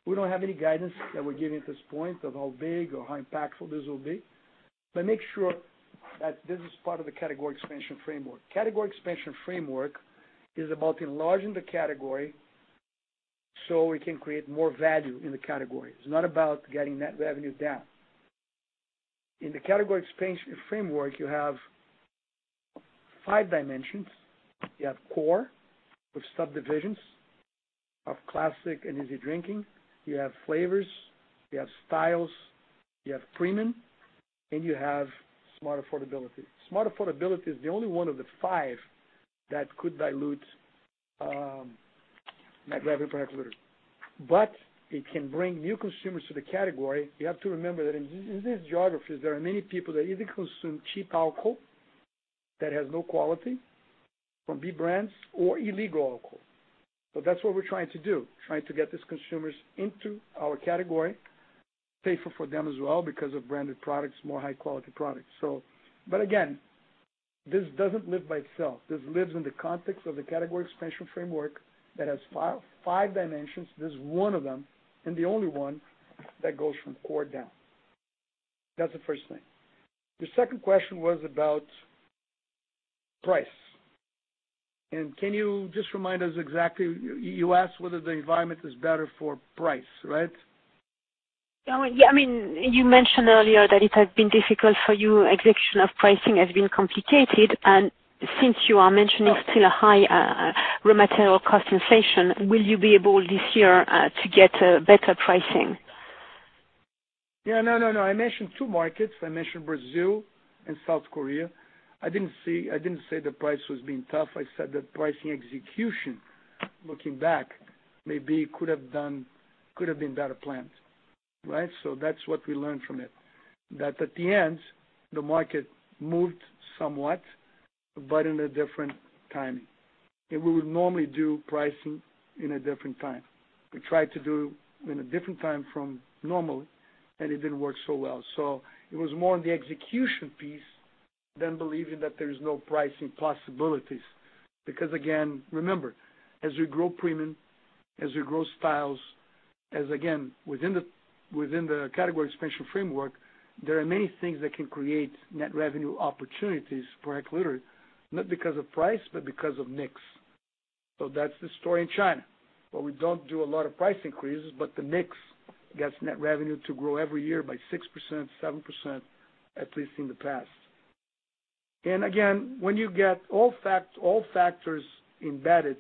We don't have any guidance that we're giving at this point of how big or how impactful this will be. Make sure that this is part of the category expansion framework. Category expansion framework is about enlarging the category so we can create more value in the category. It's not about getting net revenue down. In the category expansion framework, you have five dimensions. You have core, with subdivisions of classic and easy drinking. You have flavors, you have styles, you have premium, and you have smart affordability. Smart affordability is the only one of the five that could dilute net revenue per hectoliter. It can bring new consumers to the category. You have to remember that in these geographies, there are many people that either consume cheap alcohol that has no quality from B brands or illegal alcohol. That's what we're trying to do, trying to get these consumers into our category, safer for them as well because of branded products, more high-quality products. Again, this doesn't live by itself. This lives in the context of the category expansion framework that has five dimensions. This is one of them, and the only one that goes from core down. That's the first thing. Your second question was about price. Can you just remind us exactly, you asked whether the environment is better for price, right? Yeah. You mentioned earlier that it has been difficult for you, execution of pricing has been complicated, since you are mentioning still a high raw material cost inflation, will you be able this year to get better pricing? Yeah. No, I mentioned two markets. I mentioned Brazil and South Korea. I didn't say the price was being tough. I said that pricing execution, looking back, maybe could have been better planned. Right? That's what we learned from it. That at the end, the market moved somewhat, but in a different timing. We would normally do pricing in a different time. We tried to do in a different time from normal, and it didn't work so well. It was more on the execution piece than believing that there's no pricing possibilities. Again, remember, as we grow premium, as we grow styles, as again, within the category expansion framework, there are many things that can create net revenue opportunities per hectoliter, not because of price, but because of mix. That's the story in China, where we don't do a lot of price increases, but the mix gets net revenue to grow every year by 6%, 7%, at least in the past. Again, when you get all factors embedded,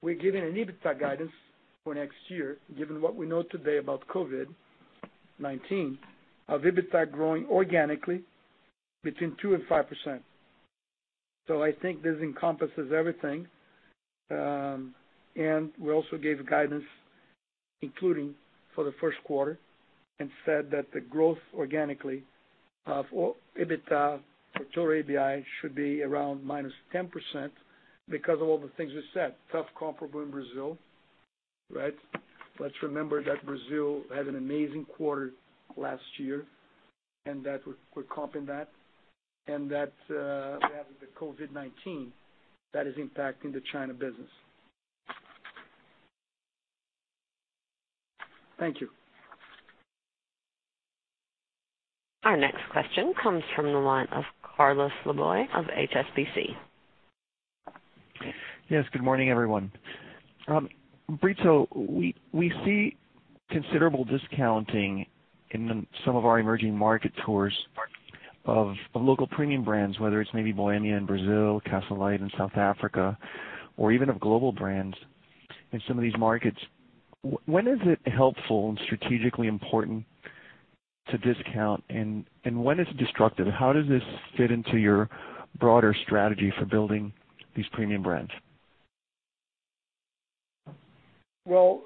we're giving an EBITDA guidance for next year, given what we know today about COVID-19, of EBITDA growing organically between 2% and 5%. I think this encompasses everything. We also gave guidance including for the first quarter, and said that the growth organically of EBITDA for total ABI should be around -10% because of all the things we said. Tough comparable in Brazil, right? Let's remember that Brazil had an amazing quarter last year, and that we're comping that, and that we have the COVID-19 that is impacting the China business. Thank you. Our next question comes from the line of Carlos Laboy of HSBC. Yes. Good morning, everyone. Brito, we see considerable discounting in some of our emerging market stores of local premium brands, whether it's maybe Bohemia in Brazil, Castle Lite in South Africa, or even of global brands in some of these markets. When is it helpful and strategically important to discount, and when it's destructive? How does this fit into your broader strategy for building these premium brands? Well,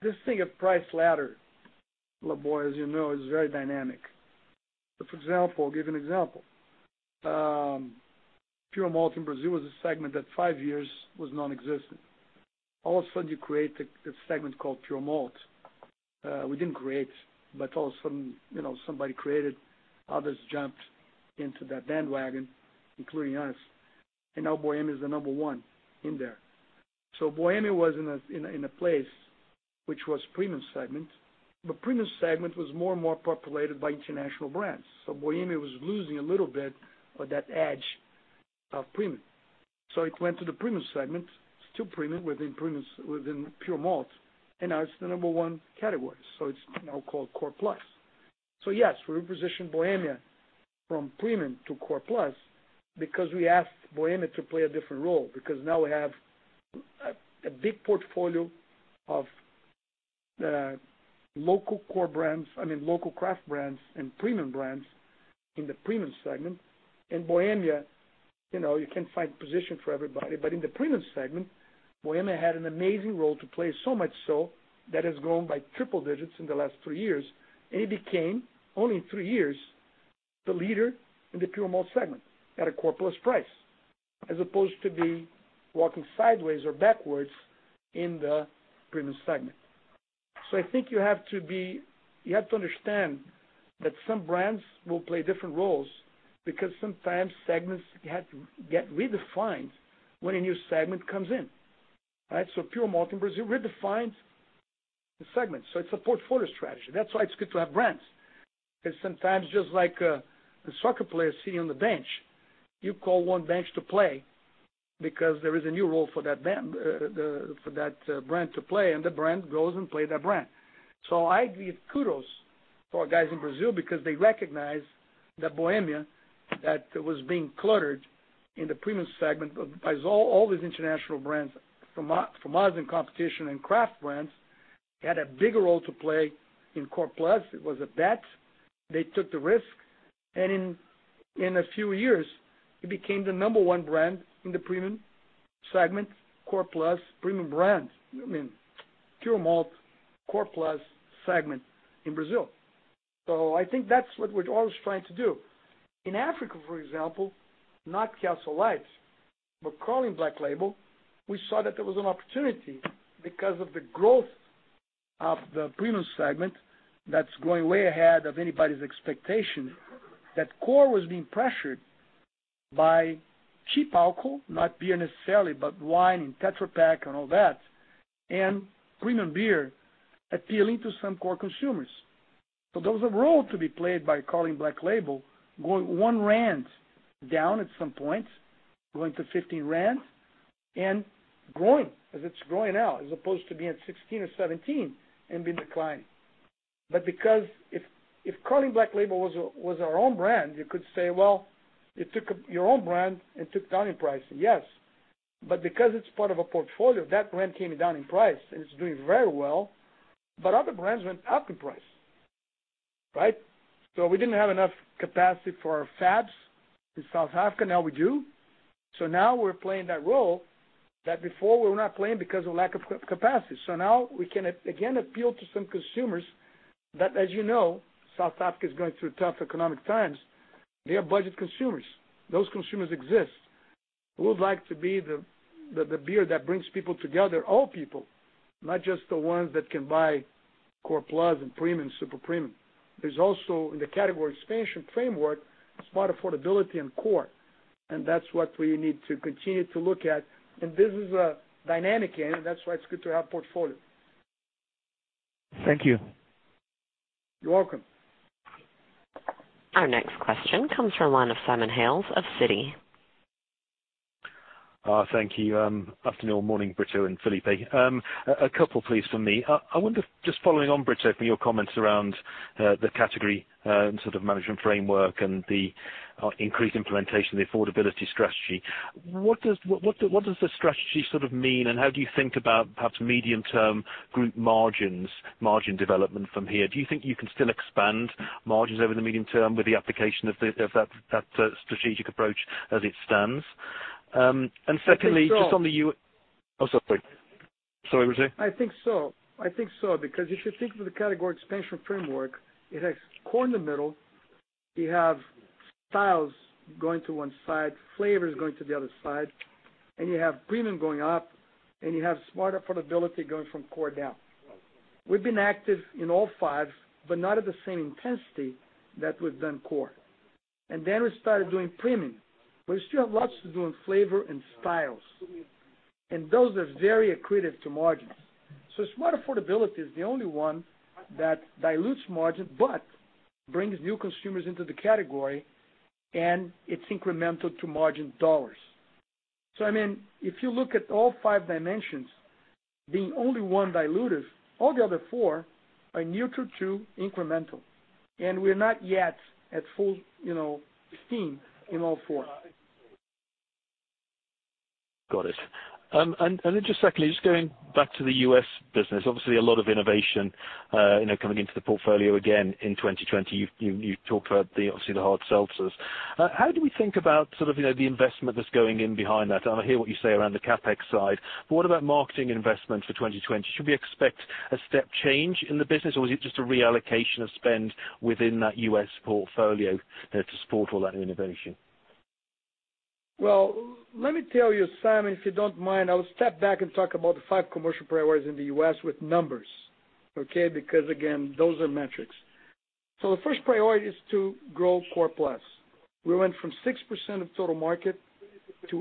this thing of price ladder, Laboy, as you know, is very dynamic. I'll give an example. Pure malt in Brazil was a segment that five years was nonexistent. All of a sudden, you create this segment called pure malt. We didn't create, all of a sudden, somebody created, others jumped into that bandwagon, including us, and now Bohemia is the number one in there. Bohemia was in a place which was premium segment, but premium segment was more and more populated by international brands. Bohemia was losing a little bit of that edge of premium. It went to the premium segment, still premium within pure malt, and now it's the number one category. It's now called core plus. Yes, we repositioned Bohemia from premium to core plus because we asked Bohemia to play a different role, because now we have a big portfolio of local core brands, I mean local craft brands and premium brands in the premium segment. Bohemia, you can't find position for everybody, but in the premium segment, Bohemia had an amazing role to play, so much so that has grown by triple digits in the last three years, and it became, only in three years, the leader in the pure malt segment at a core plus price, as opposed to be walking sideways or backwards in the premium segment. I think you have to understand that some brands will play different roles because sometimes segments get redefined when a new segment comes in, right? Pure malt in Brazil redefined the segment. It's a portfolio strategy. That's why it's good to have brands. It's sometimes just like a soccer player sitting on the bench. You call one bench to play because there is a new role for that brand to play, and the brand goes and play that brand. I give kudos for our guys in Brazil because they recognized that Bohemia, that was being cluttered in the premium segment by all these international brands from us in competition and craft brands, had a bigger role to play in core plus. It was a bet. They took the risk, and in a few years, it became the number one brand in the premium segment, core plus premium brands. I mean, pure malt, core plus segment in Brazil. I think that's what we're always trying to do. In Africa, for example, not Castle Lite, but Carling Black Label, we saw that there was an opportunity because of the growth of the premium segment that's growing way ahead of anybody's expectation, that core was being pressured by cheap alcohol, not beer necessarily, but wine in Tetra Pak and all that, and premium beer appealing to some core consumers. There was a role to be played by Carling Black Label going 1 rand down at some point, going to 15 rand, and growing as it's growing out, as opposed to being at 16 or 17 and been declining. Because if Carling Black Label was our own brand, you could say, well, you took your own brand and took down in price. Yes. Because it's part of a portfolio, that brand came down in price, and it's doing very well, but other brands went up in price, right? We didn't have enough capacity for our FABS in South Africa. Now we do. Now we're playing that role that before we were not playing because of lack of capacity. Now we can again appeal to some consumers that, as you know, South Africa is going through tough economic times. They are budget consumers. Those consumers exist. We would like to be the beer that brings people together, all people, not just the ones that can buy core plus and premium, super premium. There's also, in the category expansion framework, smart affordability and core, and that's what we need to continue to look at. This is a dynamic area. That's why it's good to have portfolio. Thank you. You're welcome. Our next question comes from the line of Simon Hales of Citi. Thank you. Afternoon, morning, Brito and Felipe. A couple please, from me. I wonder, just following on Brito from your comments around the category management framework and the increased implementation of the affordability strategy. What does the strategy mean, and how do you think about perhaps medium-term group margins, margin development from here? Do you think you can still expand margins over the medium term with the application of that strategic approach as it stands? Secondly, just on the Oh, sorry. Sorry, Brito. I think so. If you think of the category expansion framework, it has core in the middle, you have styles going to one side, flavor is going to the other side, you have premium going up, you have smart affordability going from core down. We've been active in all five, but not at the same intensity that we've done core. Then we started doing premium, but we still have lots to do in flavor and styles. Those are very accretive to margins. Smart affordability is the only one that dilutes margin but brings new consumers into the category, and it's incremental to margin dollars. I mean, if you look at all five dimensions, the only one dilutive, all the other four are neutral to incremental. We're not yet at full steam in all four. Got it. Secondly, just going back to the U.S. business, obviously a lot of innovation coming into the portfolio again in 2020. You talked about obviously the hard seltzers. How do we think about the investment that's going in behind that? I hear what you say around the CapEx side, what about marketing investment for 2020? Should we expect a step change in the business, or is it just a reallocation of spend within that U.S. portfolio to support all that innovation? Let me tell you, Simon, if you don't mind, I will step back and talk about the five commercial priorities in the U.S. with numbers. Okay. Because, again, those are metrics. The first priority is to grow core plus. We went from 6% of total market to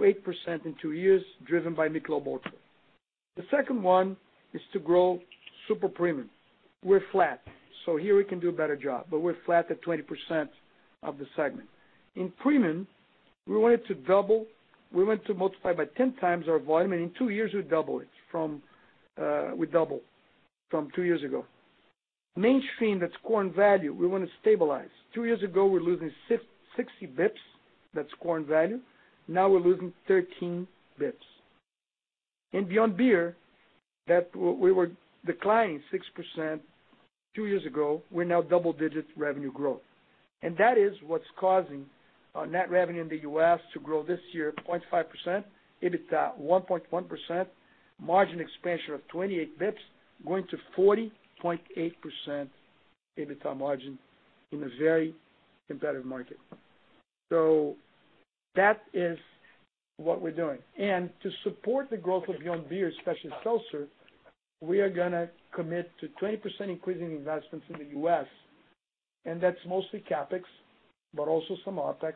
8% in two years, driven by Michelob ULTRA. The second one is to grow super premium. We're flat. Here we can do a better job, but we're flat at 20% of the segment. In premium, we wanted to double. We went to multiply by 10x our volume, and in two years, we double it from two years ago. Mainstream, that's core and value, we want to stabilize. Two years ago, we're losing 60 basis points, that's core and value. Now we're losing 13 basis points. In Beyond Beer, we were declining 6% two years ago. We're now double-digit revenue growth. That is what's causing our net revenue in the U.S. to grow this year 0.5%, EBITDA 1.1%, margin expansion of 28 basis points, going to 40.8% EBITDA margin in a very competitive market. That is what we're doing. To support the growth of Beyond Beer, especially seltzer, we are going to commit to 20% increase in investments in the U.S., and that's mostly CapEx, but also some OpEx,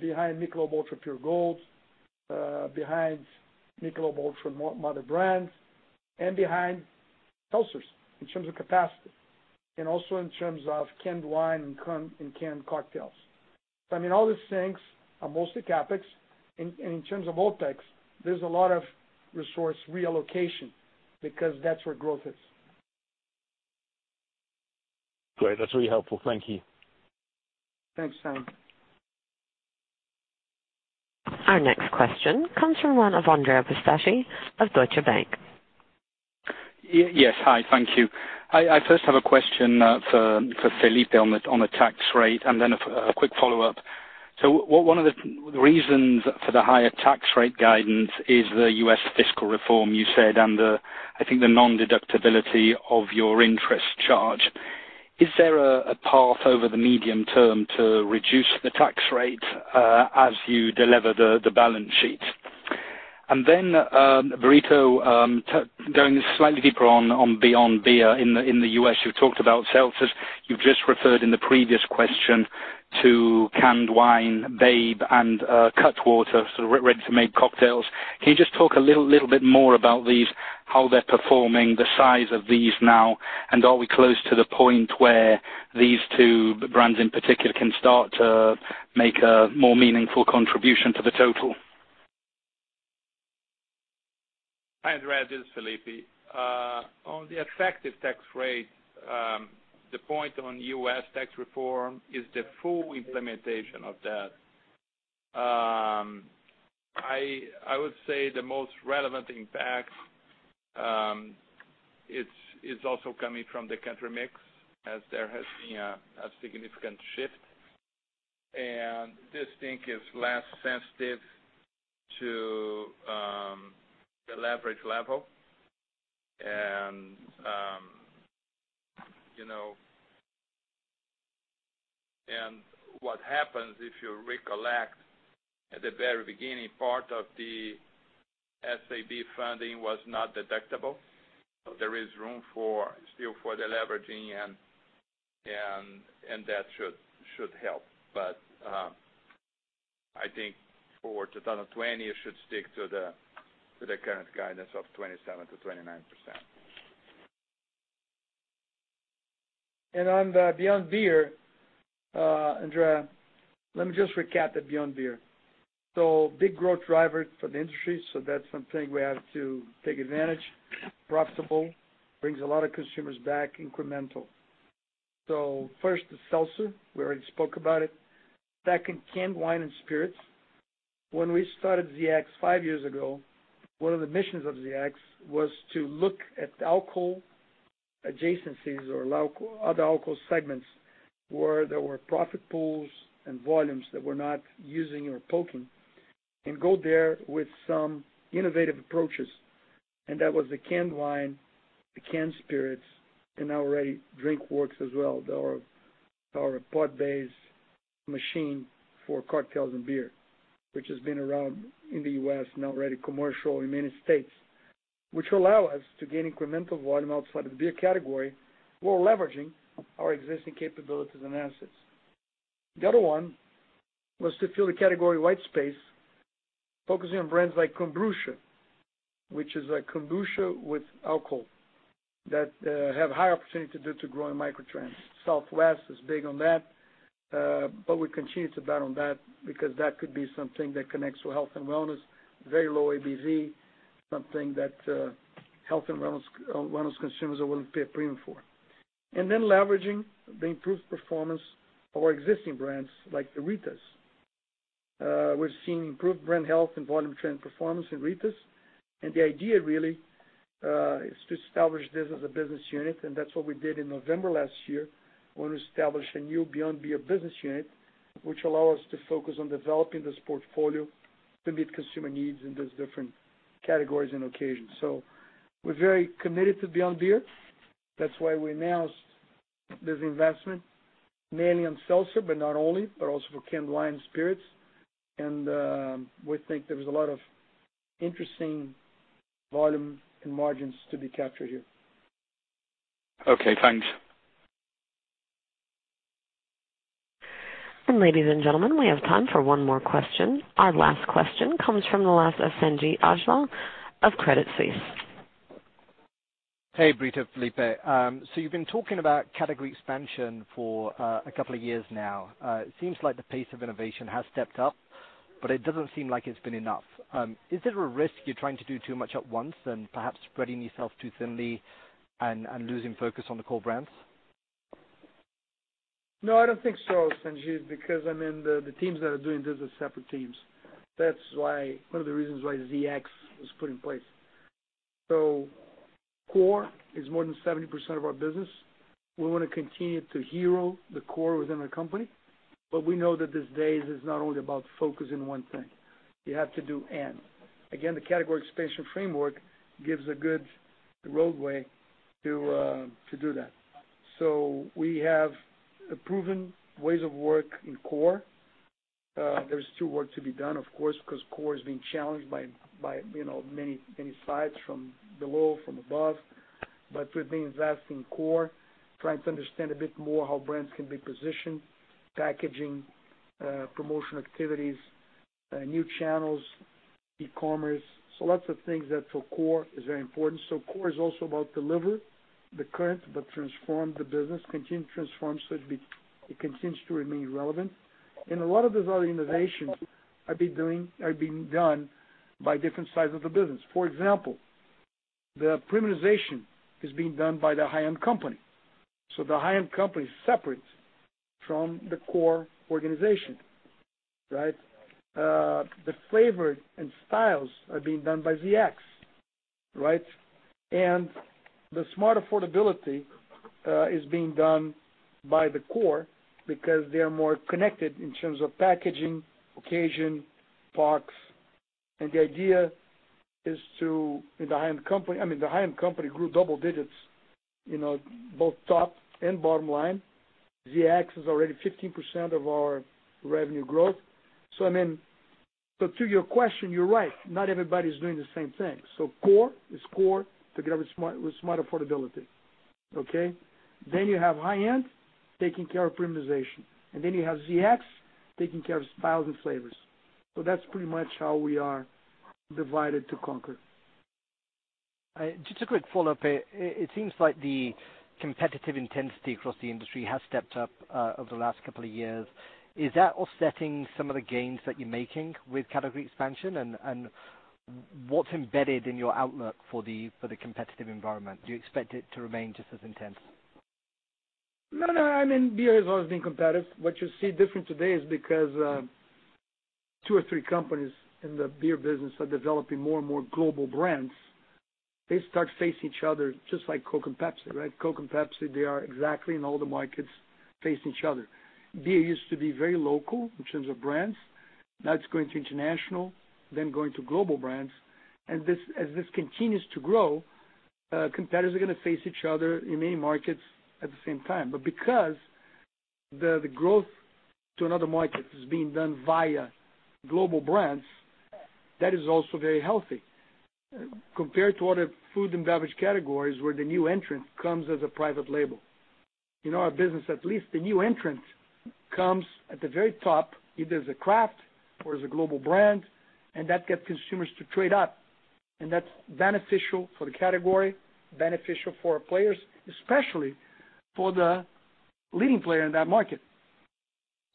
behind Michelob ULTRA Pure Gold, behind Michelob ULTRA mother brands, and behind seltzers in terms of capacity. Also in terms of canned wine and canned cocktails. I mean, all these things are mostly CapEx. In terms of OpEx, there's a lot of resource reallocation because that's where growth is. Great. That's really helpful. Thank you. Thanks, Simon. Our next question comes from one of Andrea Pistacchi of Deutsche Bank. Yes, hi. Thank you. I first have a question for Felipe on the tax rate, then a quick follow-up. One of the reasons for the higher tax rate guidance is the U.S. fiscal reform, you said, and I think the non-deductibility of your interest charge. Is there a path over the medium term to reduce the tax rate as you delever the balance sheet? Then, Brito, going slightly deeper on Beyond Beer in the U.S. You talked about seltzers. You've just referred in the previous question to canned wine, Babe and Cutwater, so ready-to-made cocktails. Can you just talk a little bit more about these, how they're performing, the size of these now, and are we close to the point where these two brands in particular can start to make a more meaningful contribution to the total? Hi, Andrea. This is Felipe. On the effective tax rate, the point on U.S. tax reform is the full implementation of that. I would say the most relevant impact is also coming from the country mix, as there has been a significant shift. This thing is less sensitive to the leverage level. What happens, if you recollect at the very beginning, part of the SAB funding was not deductible. There is room still for deleveraging, and that should help. I think for 2020, it should stick to the current guidance of 27%-29%. On the Beyond Beer, Andrea, let me just recap the Beyond Beer. Big growth driver for the industry, that's something we have to take advantage. Profitable, brings a lot of consumers back incremental. First, the seltzer, we already spoke about it. Second, canned wine and spirits. When we started ZX five years ago, one of the missions of ZX was to look at alcohol adjacencies or other alcohol segments where there were profit pools and volumes that we're not using or poking, and go there with some innovative approaches. That was the canned wine, the canned spirits, and already Drinkworks as well. Our pod-based machine for cocktails and beer, which has been around in the U.S. and already commercial in many states. Which allow us to gain incremental volume outside of the beer category while leveraging our existing capabilities and assets. The other one was to fill the category white space, focusing on brands like Kombrewcha, which is a kombucha with alcohol, that have high opportunity to growing microtrends. So we're big on that, but we continue to bet on that because that could be something that connects to health and wellness, very low ABV, something that health and wellness consumers are willing to pay a premium for. Leveraging the improved performance of our existing brands like the Ritas. We're seeing improved brand health and volume trend performance in Ritas, and the idea really, is to establish this as a business unit, and that's what we did in November last year, when we established a new Beyond Beer business unit, which allow us to focus on developing this portfolio to meet consumer needs in these different categories and occasions. We're very committed to Beyond Beer. That's why we announced this investment, mainly on seltzer, but not only, but also for canned wine and spirits. We think there is a lot of interesting volume and margins to be captured here. Okay, thanks. Ladies and gentlemen, we have time for one more question. Our last question comes from the line of Sanjeet Aujla of Credit Suisse. Hey, Brito, Felipe. You've been talking about category expansion for a couple of years now. It seems like the pace of innovation has stepped up, but it doesn't seem like it's been enough. Is it a risk you're trying to do too much at once and perhaps spreading yourself too thinly and losing focus on the core brands? No, I don't think so, Sanjeet, because I mean, the teams that are doing this are separate teams. That's one of the reasons why ZX was put in place. Core is more than 70% of our business. We want to continue to hero the core within our company, we know that this day is not only about focusing one thing. Again, the category expansion framework gives a good roadway to do that. We have proven ways of work in core. There's still work to be done, of course, because core is being challenged by many sides, from below, from above. We've been investing in core, trying to understand a bit more how brands can be positioned, packaging, promotional activities, new channels, e-commerce. Lots of things that for core is very important. Core is also about deliver the current but transform the business, continue to transform so it continues to remain relevant. A lot of these other innovations are being done by different sides of the business. For example, the premiumization is being done by The High End. The High End is separate from the core organization. Right? The flavor and styles are being done by ZX. Right? The smart affordability is being done by the core because they are more connected in terms of packaging, occasion, packs. The idea is to The High End grew double digits, both top and bottom line. ZX is already 15% of our revenue growth. To your question, you're right. Not everybody's doing the same thing. Core is core together with smart affordability. Okay? You have The High End taking care of premiumization, and then you have ZX taking care of styles and flavors. That's pretty much how we are divided to conquer. Just a quick follow-up. It seems like the competitive intensity across the industry has stepped up over the last couple of years. Is that offsetting some of the gains that you're making with category expansion? What's embedded in your outlook for the competitive environment? Do you expect it to remain just as intense? I mean, beer has always been competitive. What you see different today is because two or three companies in the beer business are developing more and more global brands. They start facing each other just like Coke and Pepsi, right? Coke and Pepsi, they are exactly in all the markets facing each other. Beer used to be very local in terms of brands. Now it's going to international, then going to global brands. As this continues to grow, competitors are going to face each other in many markets at the same time. Because the growth to another market is being done via global brands, that is also very healthy. Compared to other food and beverage categories where the new entrant comes as a private label. In our business, at least the new entrant comes at the very top, either as a craft or as a global brand, and that gets consumers to trade up. That's beneficial for the category, beneficial for our players, especially for the leading player in that market.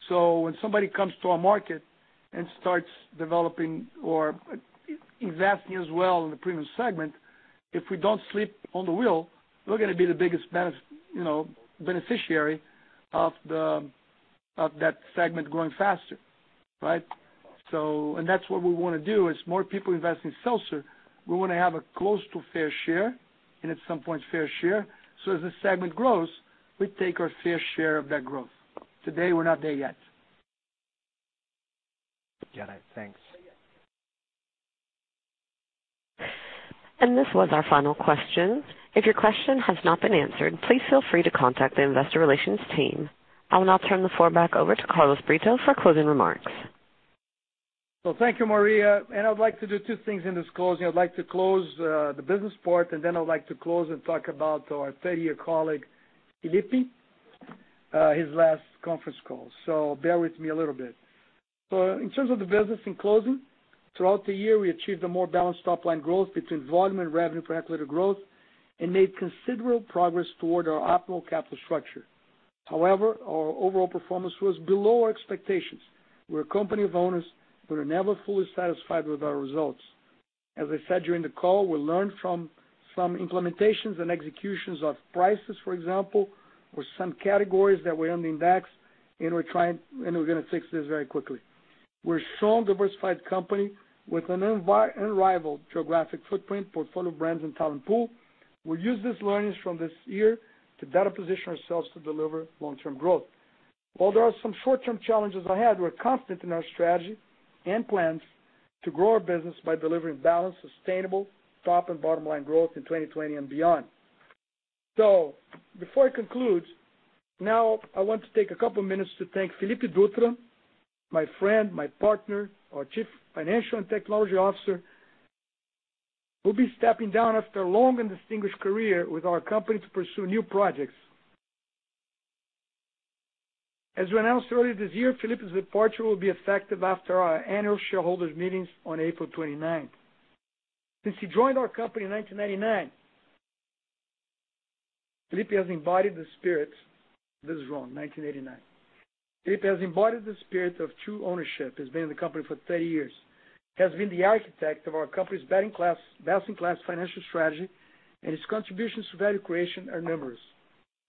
When somebody comes to our market and starts developing or investing as well in the premium segment, if we don't sleep on the wheel, we're going to be the biggest beneficiary of that segment growing faster, right? That's what we want to do. As more people invest in seltzer, we want to have a close to fair share, and at some point fair share, so as the segment grows, we take our fair share of that growth. Today, we're not there yet. Got it. Thanks. This was our final question. If your question has not been answered, please feel free to contact the investor relations team. I will now turn the floor back over to Carlos Brito for closing remarks. Thank you, Maria. I would like to do two things in this closing. I'd like to close the business part, and then I would like to close and talk about our 30-year colleague, Felipe, his last conference call. Bear with me a little bit. In terms of the business in closing, throughout the year, we achieved a more balanced top-line growth between volume and revenue per equity growth and made considerable progress toward our optimal capital structure. However, our overall performance was below our expectations. We're a company of owners, we are never fully satisfied with our results. As I said during the call, we learned from some implementations and executions of prices, for example, or some categories that were underindexed, and we're going to fix this very quickly. We're a strong, diversified company with an unrivaled geographic footprint, portfolio of brands, and talent pool. We'll use these learnings from this year to better position ourselves to deliver long-term growth. While there are some short-term challenges ahead, we're confident in our strategy and plans to grow our business by delivering balanced, sustainable top and bottom-line growth in 2020 and beyond. Before I conclude, now I want to take a couple minutes to thank Felipe Dutra, my friend, my partner, our Chief Financial and Technology Officer, who will be stepping down after a long and distinguished career with our company to pursue new projects. As we announced earlier this year, Felipe's departure will be effective after our annual shareholders meetings on April 29th. Since he joined our company in 1999. This is wrong, 1989. Felipe has embodied the spirit of true ownership. He's been in the company for 30 years. He has been the architect of our company's best-in-class financial strategy, and his contributions to value creation are numerous.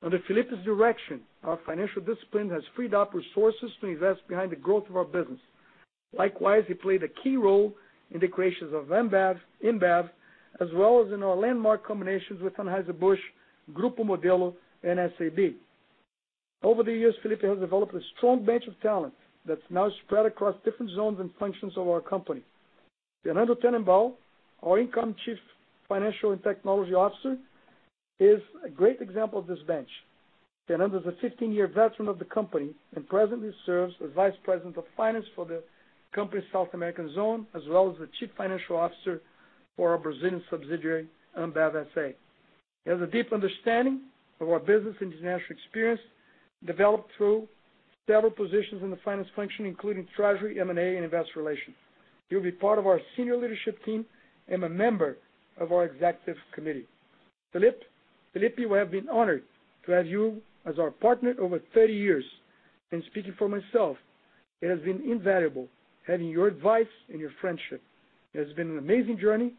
Under Felipe's direction, our financial discipline has freed up resources to invest behind the growth of our business. Likewise, he played a key role in the creations of InBev, as well as in our landmark combinations with Anheuser-Busch, Grupo Modelo, and SAB. Over the years, Felipe has developed a strong bench of talent that's now spread across different zones and functions of our company. Fernando Tennenbaum, our incoming Chief Financial and Technology Officer, is a great example of this bench. Fernando is a 15-year veteran of the company and presently serves as Vice President of Finance for the company's South American zone, as well as the Chief Financial Officer for our Brazilian subsidiary, Ambev S.A. He has a deep understanding of our business and international experience, developed through several positions in the finance function, including treasury, M&A, and investor relations. He will be part of our senior leadership team and a member of our executive committee. Felipe, we have been honored to have you as our partner over 30 years. Speaking for myself, it has been invaluable having your advice and your friendship. It has been an amazing journey.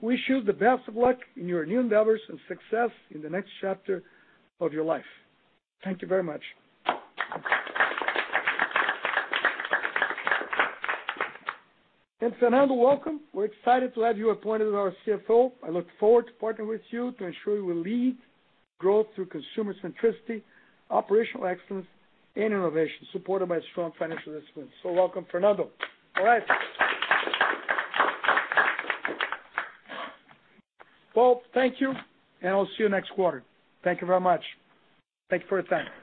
Wish you the best of luck in your new endeavors and success in the next chapter of your life. Thank you very much. Fernando, welcome. We're excited to have you appointed as our CFO. I look forward to partnering with you to ensure we lead growth through consumer centricity, operational excellence, and innovation supported by strong financial discipline. Welcome, Fernando. All right. Well, thank you, and I'll see you next quarter. Thank you very much. Thank you for your time.